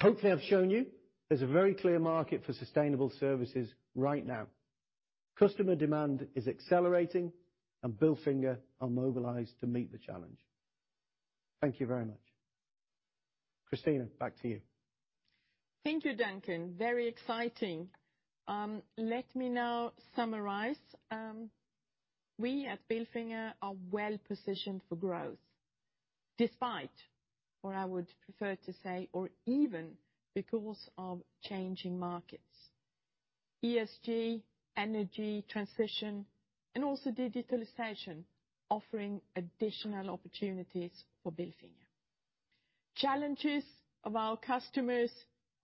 Hopefully I've shown you there's a very clear market for sustainable services right now. Customer demand is accelerating, and Bilfinger are mobilized to meet the challenge. Thank you very much. Christina, back to you. Thank you, Duncan. Very exciting. Let me now summarize. We at Bilfinger are well positioned for growth, despite, or I would prefer to say, or even because of changing markets. ESG, energy transition, and also digitalization offering additional opportunities for Bilfinger. Challenges of our customers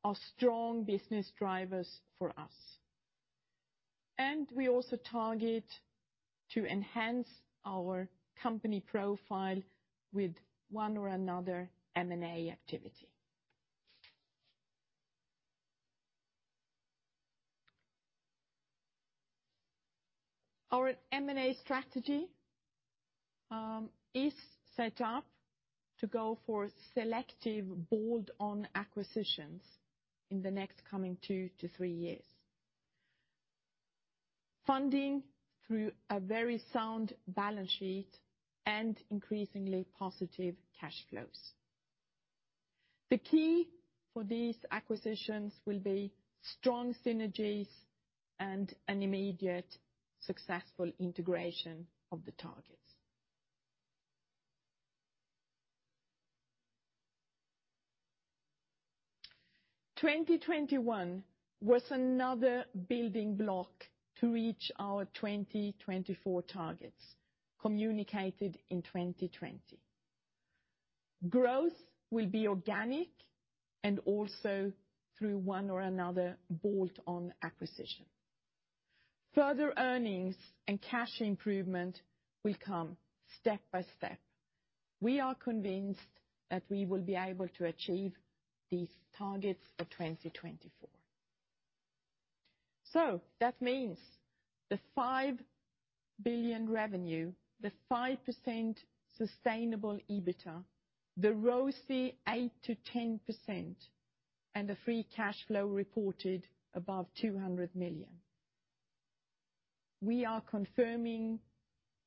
are strong business drivers for us, and we also target to enhance our company profile with one or another M&A activity. Our M&A strategy is set up to go for selective bolt-on acquisitions in the next 2-3 years. Funding through a very sound balance sheet and increasingly positive cash flows. The key for these acquisitions will be strong synergies and an immediate successful integration of the targets. 2021 was another building block to reach our 2024 targets communicated in 2020. Growth will be organic and also through one or another bolt-on acquisition. Further earnings and cash improvement will come step by step. We are convinced that we will be able to achieve these targets for 2024. That means the 5 billion revenue, the 5% sustainable EBITA, the ROCE 8%-10%, and the free cash flow reported above 200 million. We are confirming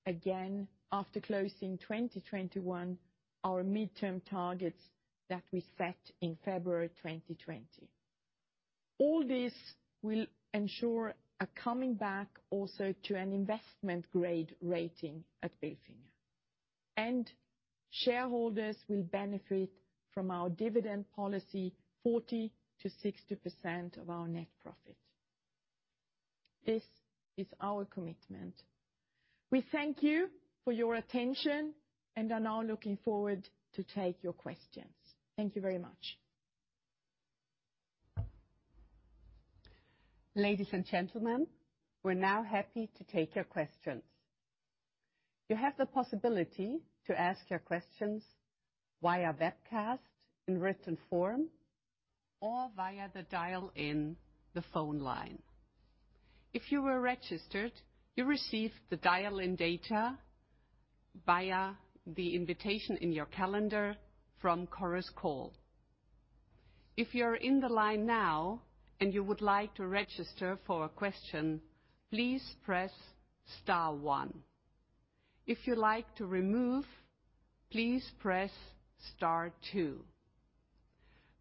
again after closing 2021 our midterm targets that we set in February 2020. All this will ensure a coming back also to an investment grade rating at Bilfinger. Shareholders will benefit from our dividend policy, 40%-60% of our net profit. This is our commitment. We thank you for your attention and are now looking forward to take your questions. Thank you very much. Ladies and gentlemen, we're now happy to take your questions. You have the possibility to ask your questions via webcast in written form or via the dial-in, the phone line. If you were registered, you received the dial-in data via the invitation in your calendar from Chorus Call. If you're in the line now and you would like to register for a question, please press star one. If you'd like to remove, please press star two.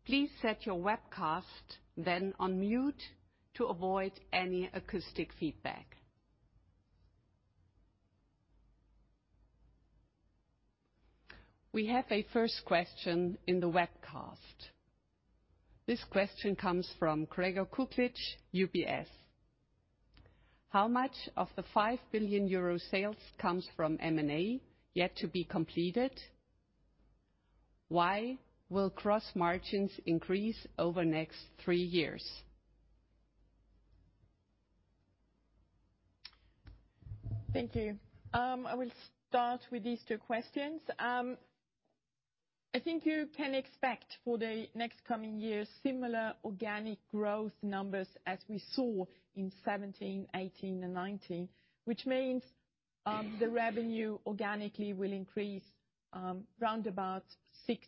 Please set your webcast then on mute to avoid any acoustic feedback. We have a first question in the webcast. This question comes from Gregor Kuglitsch, UBS. How much of the 5 billion euro sales comes from M&A yet to be completed? Why will gross margins increase over next three years? Thank you. I will start with these two questions. I think you can expect for the next coming years similar organic growth numbers as we saw in 2017, 2018, and 2019. Which means, the revenue organically will increase, around about 6%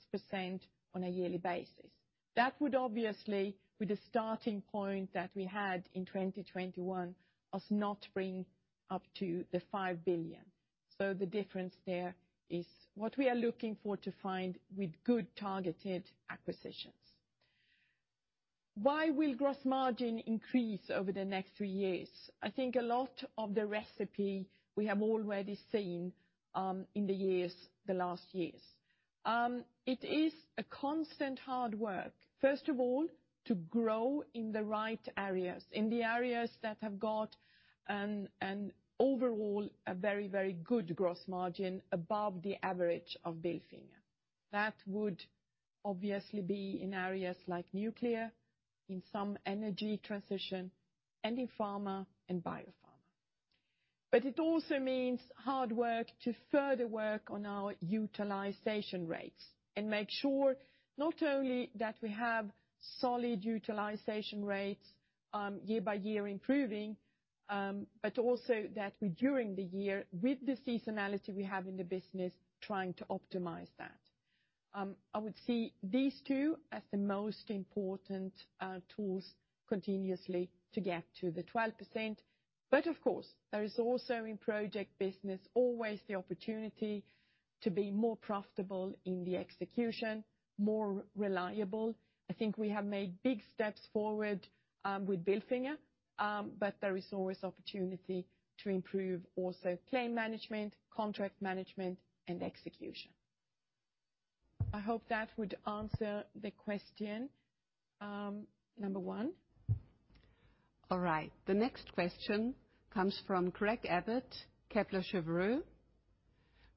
on a yearly basis. That would obviously, with the starting point that we had in 2021, will not bring us up to the 5 billion. The difference there is what we are looking for to find with good targeted acquisitions. Why will gross margin increase over the next three years? I think a lot of the recipe we have already seen, in the years, the last years. It is a constant hard work, first of all, to grow in the right areas, in the areas that have got an overall, a very good gross margin above the average of Bilfinger. That would obviously be in areas like nuclear, in some energy transition, and in pharma and biopharma. It also means hard work to further work on our utilization rates and make sure not only that we have solid utilization rates, year by year improving, but also that we, during the year with the seasonality we have in the business, trying to optimize that. I would see these two as the most important tools continuously to get to the 12%. Of course, there is also in project business always the opportunity to be more profitable in the execution, more reliable. I think we have made big steps forward, with Bilfinger, but there is always opportunity to improve also claim management, contract management, and execution. I hope that would answer the question, number one. All right. The next question comes from Craig Abbott, Kepler Cheuvreux.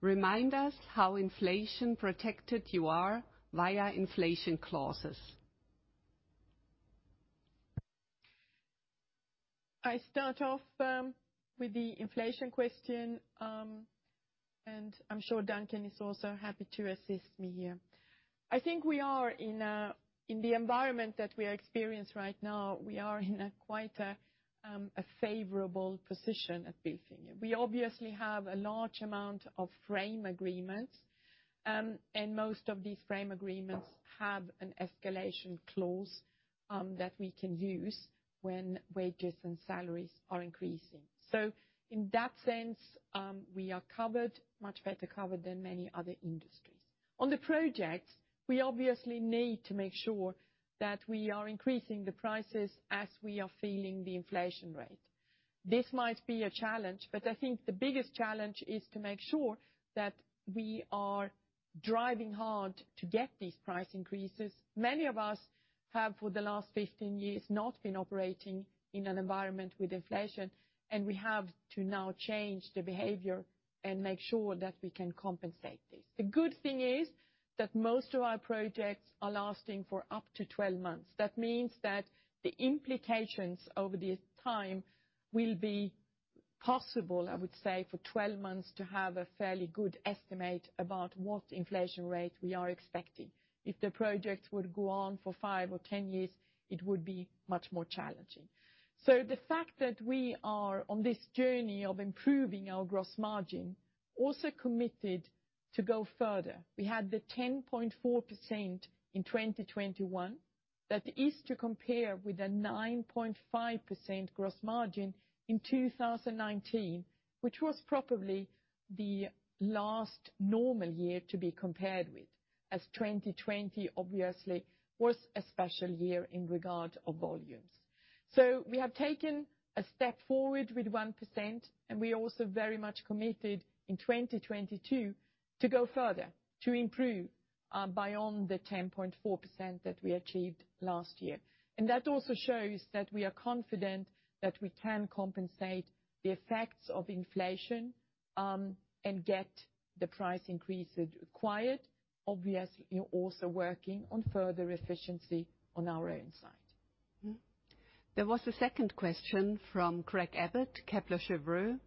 Remind us how inflation-protected you are via inflation clauses? I start off with the inflation question, and I'm sure Duncan is also happy to assist me here. I think we are in the environment that we are experienced right now. We are in a quite favorable position at Bilfinger. We obviously have a large amount of frame agreements, and most of these frame agreements have an escalation clause that we can use when wages and salaries are increasing. In that sense, we are covered, much better covered than many other industries. On the projects, we obviously need to make sure that we are increasing the prices as we are feeling the inflation rate. This might be a challenge, but I think the biggest challenge is to make sure that we are driving hard to get these price increases. Many of us have, for the last 15 years, not been operating in an environment with inflation, and we have to now change the behavior and make sure that we can compensate this. The good thing is that most of our projects are lasting for up to 12 months. That means that the implications over this time will be possible, I would say, for 12 months to have a fairly good estimate about what inflation rate we are expecting. If the projects would go on for 5 or 10 years, it would be much more challenging. The fact that we are on this journey of improving our gross margin also committed to go further. We had the 10.4% in 2021. That is to compare with a 9.5% gross margin in 2019, which was probably the last normal year to be compared with, as 2020 obviously was a special year in regard of volumes. We have taken a step forward with 1%, and we also very much committed in 2022 to go further, to improve, beyond the 10.4% that we achieved last year. That also shows that we are confident that we can compensate the effects of inflation, and get the price increase required, obviously also working on further efficiency on our end side. There was a second question from Craig Abbott, Kepler Cheuvreux.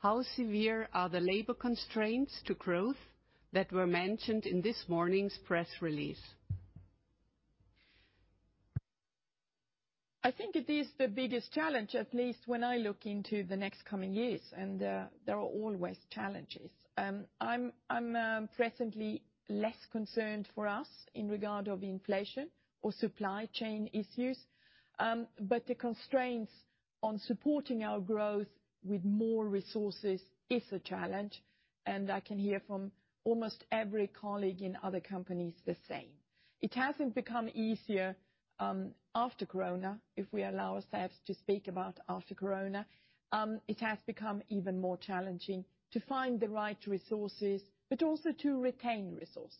How severe are the labor constraints to growth that were mentioned in this morning's press release? I think it is the biggest challenge, at least when I look into the next coming years, and there are always challenges. I'm presently less concerned for us in regard of inflation or supply chain issues. But the constraints on supporting our growth with more resources is a challenge, and I can hear from almost every colleague in other companies the same. It hasn't become easier, after Corona, if we allow ourselves to speak about after Corona. It has become even more challenging to find the right resources, but also to retain resources.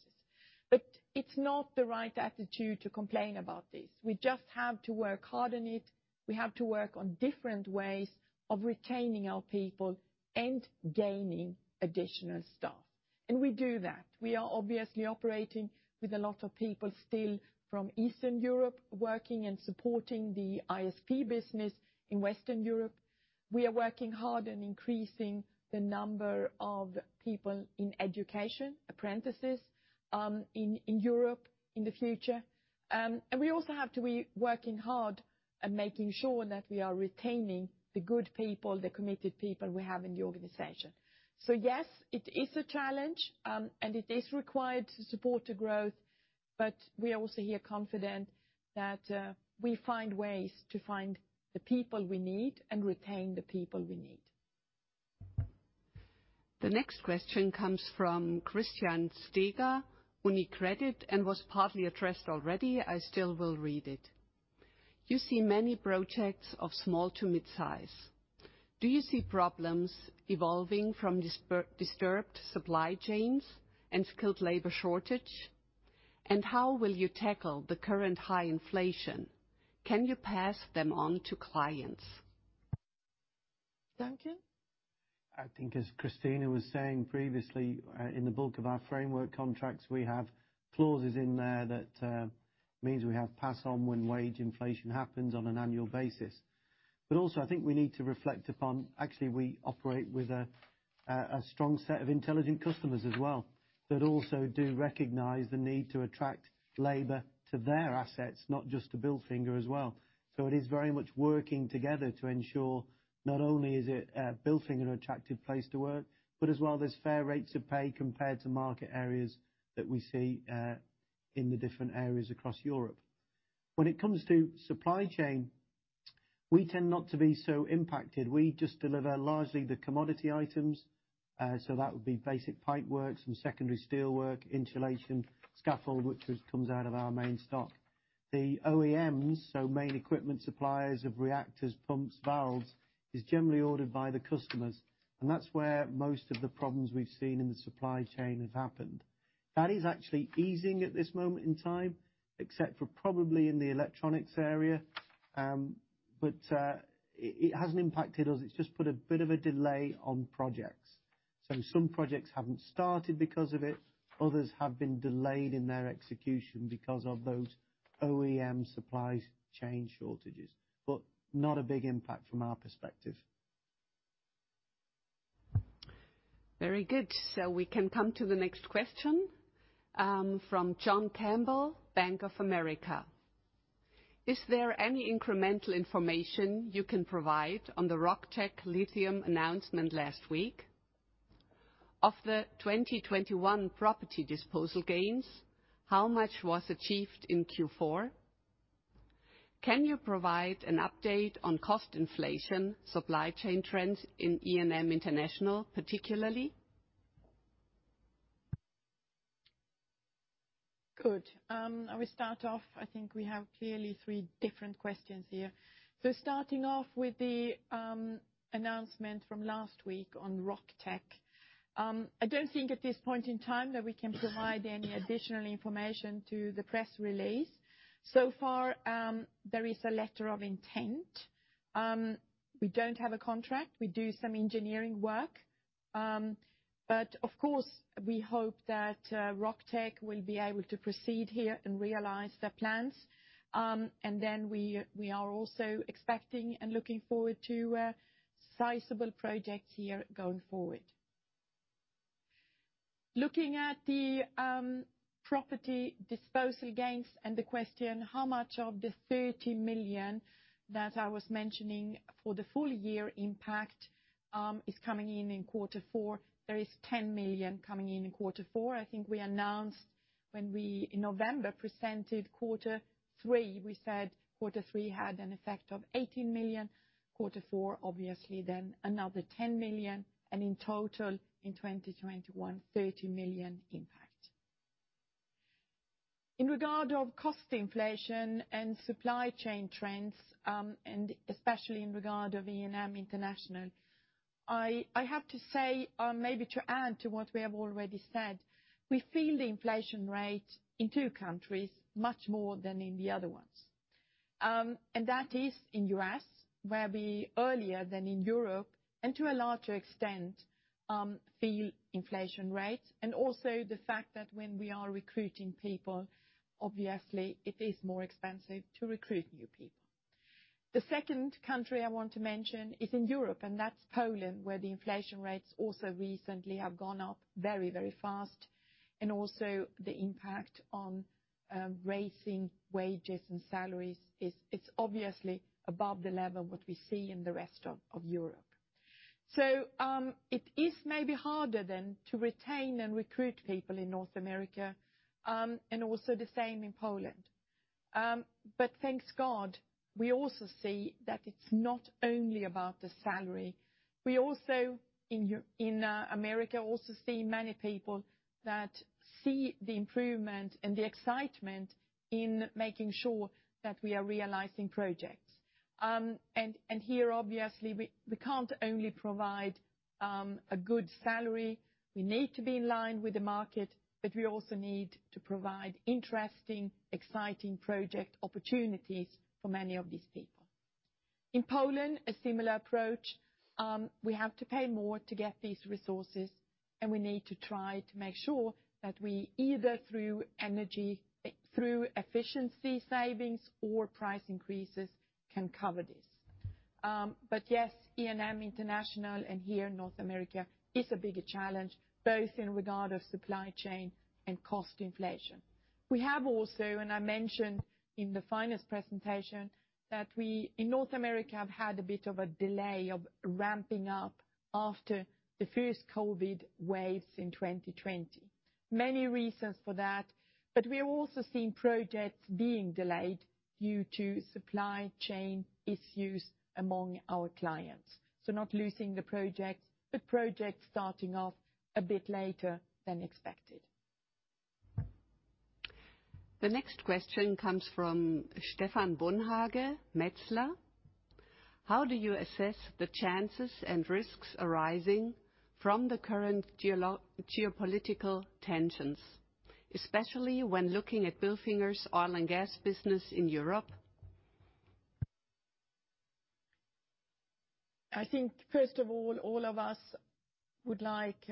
It's not the right attitude to complain about this. We just have to work hard on it. We have to work on different ways of retaining our people and gaining additional staff, and we do that. We are obviously operating with a lot of people still from Eastern Europe working and supporting the ISP business in Western Europe. We are working hard on increasing the number of people in education, apprentices, in Europe in the future. And we also have to be working hard at making sure that we are retaining the good people, the committed people we have in the organization. Yes, it is a challenge, and it is required to support the growth, but we are also here confident that we find ways to find the people we need and retain the people we need. The next question comes from Christian Stocker, UniCredit, and was partly addressed already. I still will read it. You see many projects of small to mid-size. Do you see problems evolving from disturbed supply chains and skilled labor shortage? How will you tackle the current high inflation? Can you pass them on to clients? Duncan? I think as Christina was saying previously, in the bulk of our framework contracts, we have clauses in there that means we have pass on when wage inflation happens on an annual basis. Also, I think we need to reflect upon, actually, we operate with a strong set of intelligent customers as well, that also do recognize the need to attract labor to their assets, not just to Bilfinger as well. It is very much working together to ensure not only is it, Bilfinger an attractive place to work, but as well there's fair rates of pay compared to market areas that we see, in the different areas across Europe. When it comes to supply chain, we tend not to be so impacted. We just deliver largely the commodity items. That would be basic pipe work, some secondary steel work, insulation, scaffold, which comes out of our main stock. The OEMs, so main equipment suppliers of reactors, pumps, valves, is generally ordered by the customers, and that's where most of the problems we've seen in the supply chain have happened. That is actually easing at this moment in time, except for probably in the electronics area. It hasn't impacted us. It's just put a bit of a delay on projects. Some projects haven't started because of it. Others have been delayed in their execution because of those OEM supply chain shortages. Not a big impact from our perspective. Very good. We can come to the next question from John Campbell, Bank of America. Is there any incremental information you can provide on the Rock Tech Lithium announcement last week? Of the 2021 property disposal gains, how much was achieved in Q4? Can you provide an update on cost inflation, supply chain trends in E&M International particularly? Good. I will start off. I think we have clearly three different questions here. Starting off with the announcement from last week on Rock Tech. I don't think at this point in time that we can provide any additional information to the press release. So far, there is a letter of intent. We do some engineering work, but of course, we hope that Rock Tech will be able to proceed here and realize their plans. We are also expecting and looking forward to a sizable project here going forward. Looking at the property disposal gains and the question how much of the 30 million that I was mentioning for the full year impact is coming in quarter four. There is 10 million coming in quarter four. I think we announced when we in November presented quarter three, we said quarter three had an effect of 18 million, quarter four, obviously, then another 10 million, and in total, in 2021, 30 million impact. In regard of cost inflation and supply chain trends, and especially in regard of E&M International, I have to say, or maybe to add to what we have already said, we feel the inflation rate in two countries much more than in the other ones. That is in the U.S., where we, earlier than in Europe, and to a larger extent, feel inflation rates, and also the fact that when we are recruiting people, obviously, it is more expensive to recruit new people. The second country I want to mention is in Europe, and that's Poland, where the inflation rates also recently have gone up very, very fast, and also the impact on raising wages and salaries is, it's obviously above the level what we see in the rest of Europe. It is maybe harder than to retain and recruit people in North America, and also the same in Poland. Thank God, we also see that it's not only about the salary. We also in America also see many people that see the improvement and the excitement in making sure that we are realizing projects. Here, obviously, we can't only provide a good salary. We need to be in line with the market, but we also need to provide interesting, exciting project opportunities for many of these people. In Poland, a similar approach. We have to pay more to get these resources, and we need to try to make sure that we, either through energy, through efficiency savings or price increases, can cover this. But yes, E&M International and here in North America is a bigger challenge, both in regard of supply chain and cost inflation. We have also, and I mentioned in the finance presentation, that we, in North America, have had a bit of a delay of ramping up after the first COVID waves in 2020. Many reasons for that, but we're also seeing projects being delayed due to supply chain issues among our clients. Not losing the project, but projects starting off a bit later than expected. The next question comes from Stephan Bonhage, Metzler. How do you assess the chances and risks arising from the current geopolitical tensions, especially when looking at Bilfinger's oil and gas business in Europe? I think, first of all of us would like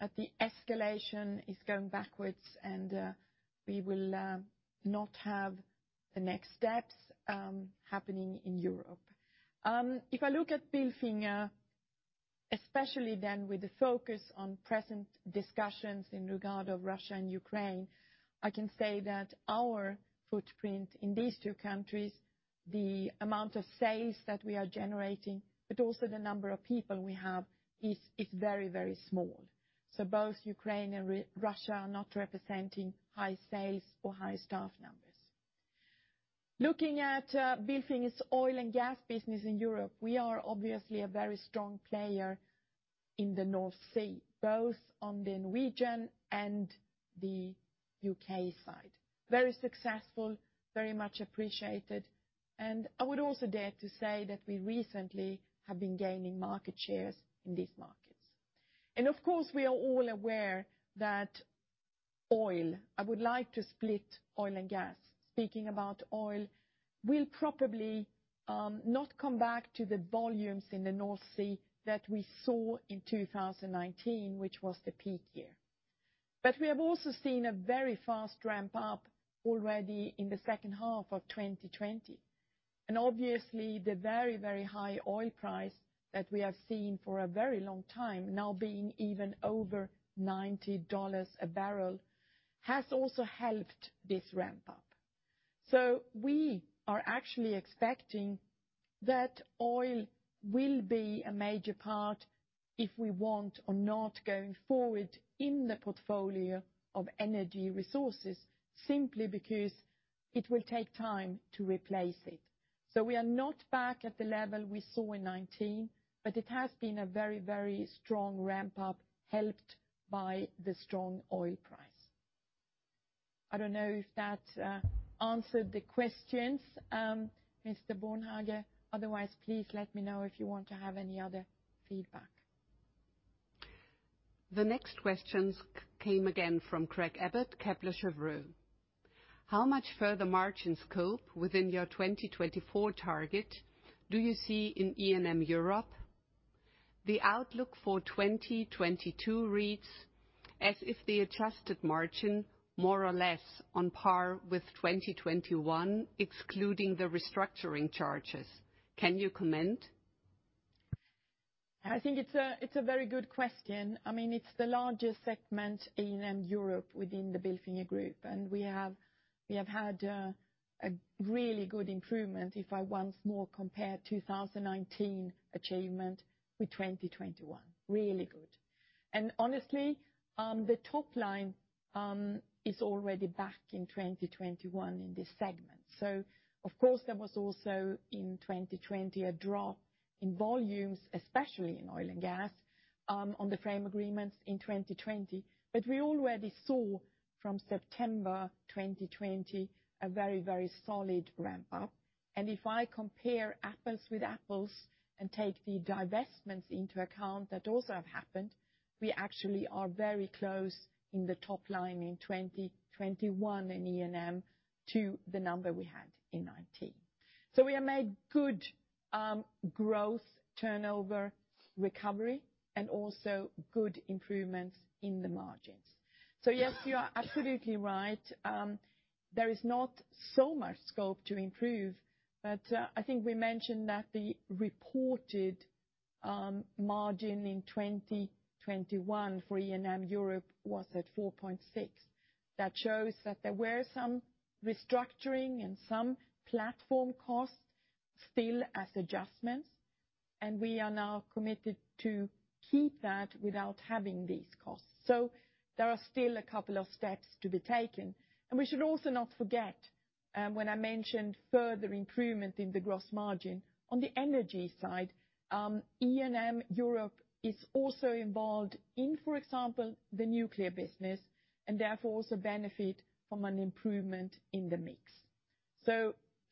that the escalation is going backwards and we will not have the next steps happening in Europe. If I look at Bilfinger, especially then with the focus on present discussions in regard of Russia and Ukraine, I can say that our footprint in these two countries, the amount of sales that we are generating, but also the number of people we have is very, very small. So, both Ukraine and Russia are not representing high sales or high staff numbers. Looking at Bilfinger's oil and gas business in Europe, we are obviously a very strong player in the North Sea, both on the Norwegian and the U.K. side. Very successful, very much appreciated, and I would also dare to say that we recently have been gaining market shares in these markets. Of course, we are all aware that oil. I would like to split oil and gas. Speaking about oil, it will probably not come back to the volumes in the North Sea that we saw in 2019, which was the peak year. We have also seen a very fast ramp up already in the second half of 2020. Obviously, the very, very high oil price that we have seen for a very long time now, being even over $90 a barrel, has also helped this ramp up. We are actually expecting that oil will be a major part, if we want or not, going forward in the portfolio of energy resources. Simply because it will take time to replace it. We are not back at the level we saw in 2019, but it has been a very, very strong ramp up, helped by the strong oil price. I don't know if that answered the questions, Mr. Bonhage. Otherwise, please let me know if you want to have any other feedback. The next questions came again from Craig Abbott, Kepler Cheuvreux. How much further margin scope within your 2024 target do you see in E&M Europe? The outlook for 2022 reads as if the adjusted margin more or less on par with 2021, excluding the restructuring charges. Can you comment? I think it's a very good question. I mean, it's the largest segment E&M Europe within the Bilfinger group, and we have had a really good improvement if I once more compare 2019 achievement with 2021. Really good. Honestly, the top line is already back in 2021 in this segment. Of course there was also in 2020 a drop in volumes, especially in oil and gas, on the frame agreements in 2020. We already saw from September 2020 a very, very solid ramp up. If I compare apples with apples and take the divestments into account that also have happened, we actually are very close in the top line in 2021 in E&M to the number we had in 2019. We have made good growth turnover recovery and also good improvements in the margins. Yes, you are absolutely right. There is not so much scope to improve, but I think we mentioned that the reported margin in 2021 for E&M Europe was 4.6%. That shows that there were some restructuring and some platform costs still as adjustments, and we are now committed to keep that without having these costs. There are still a couple of steps to be taken. We should also not forget when I mentioned further improvement in the gross margin. On the energy side, E&M Europe is also involved in, for example, the nuclear business, and therefore also benefit from an improvement in the mix.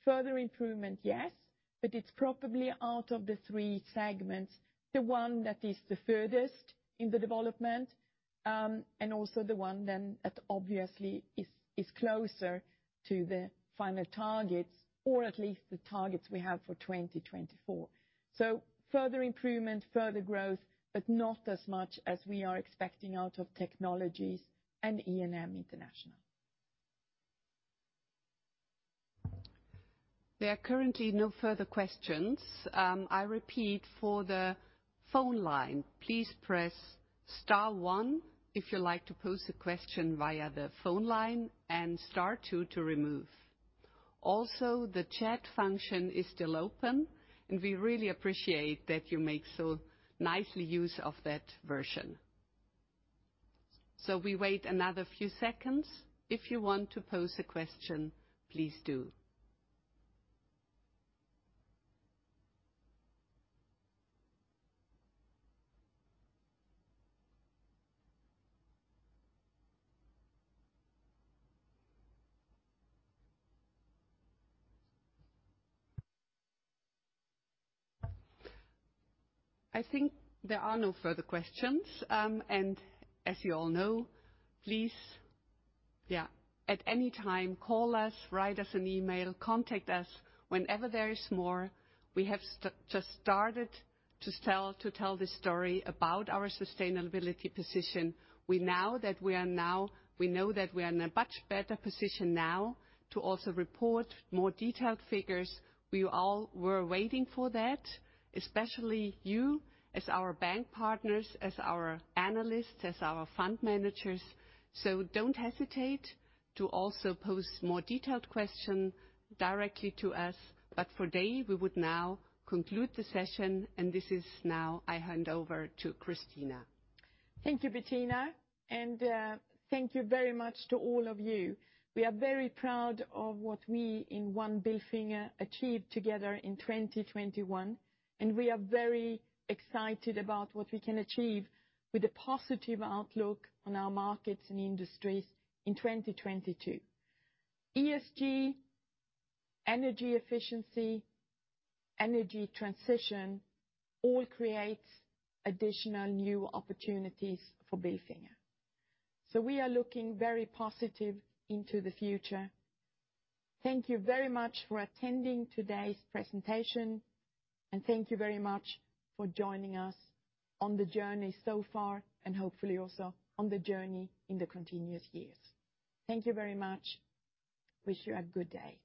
Further improvement, yes, but it's probably out of the three segments, the one that is the furthest in the development, and also the one then that obviously is closer to the final targets, or at least the targets we have for 2024. Further improvement, further growth, but not as much as we are expecting out of Technologies and E&M International. There are currently no further questions. I repeat, for the phone line, please press star one if you'd like to pose a question via the phone line, and star two to remove. Also, the chat function is still open, and we really appreciate that you make so nicely use of that version. We wait another few seconds. If you want to pose a question, please do. I think there are no further questions. As you all know, please, yeah, at any time call us, write us an email, contact us whenever there is more. We have just started to sell, to tell this story about our sustainability position. We know that we are in a much better position now to also report more detailed figures. We all were waiting for that, especially you as our bank partners, as our analysts, as our fund managers. Don't hesitate to also pose more detailed question directly to us. For today, we would now conclude the session, and now I hand over to Christina. Thank you, Bettina. Thank you very much to all of you. We are very proud of what we in one Bilfinger achieved together in 2021, and we are very excited about what we can achieve with a positive outlook on our markets and industries in 2022. ESG, energy efficiency, energy transition all create additional new opportunities for Bilfinger. We are looking very positive into the future. Thank you very much for attending today's presentation, and thank you very much for joining us on the journey so far and hopefully also on the journey in the continuous years. Thank you very much. Wish you a good day.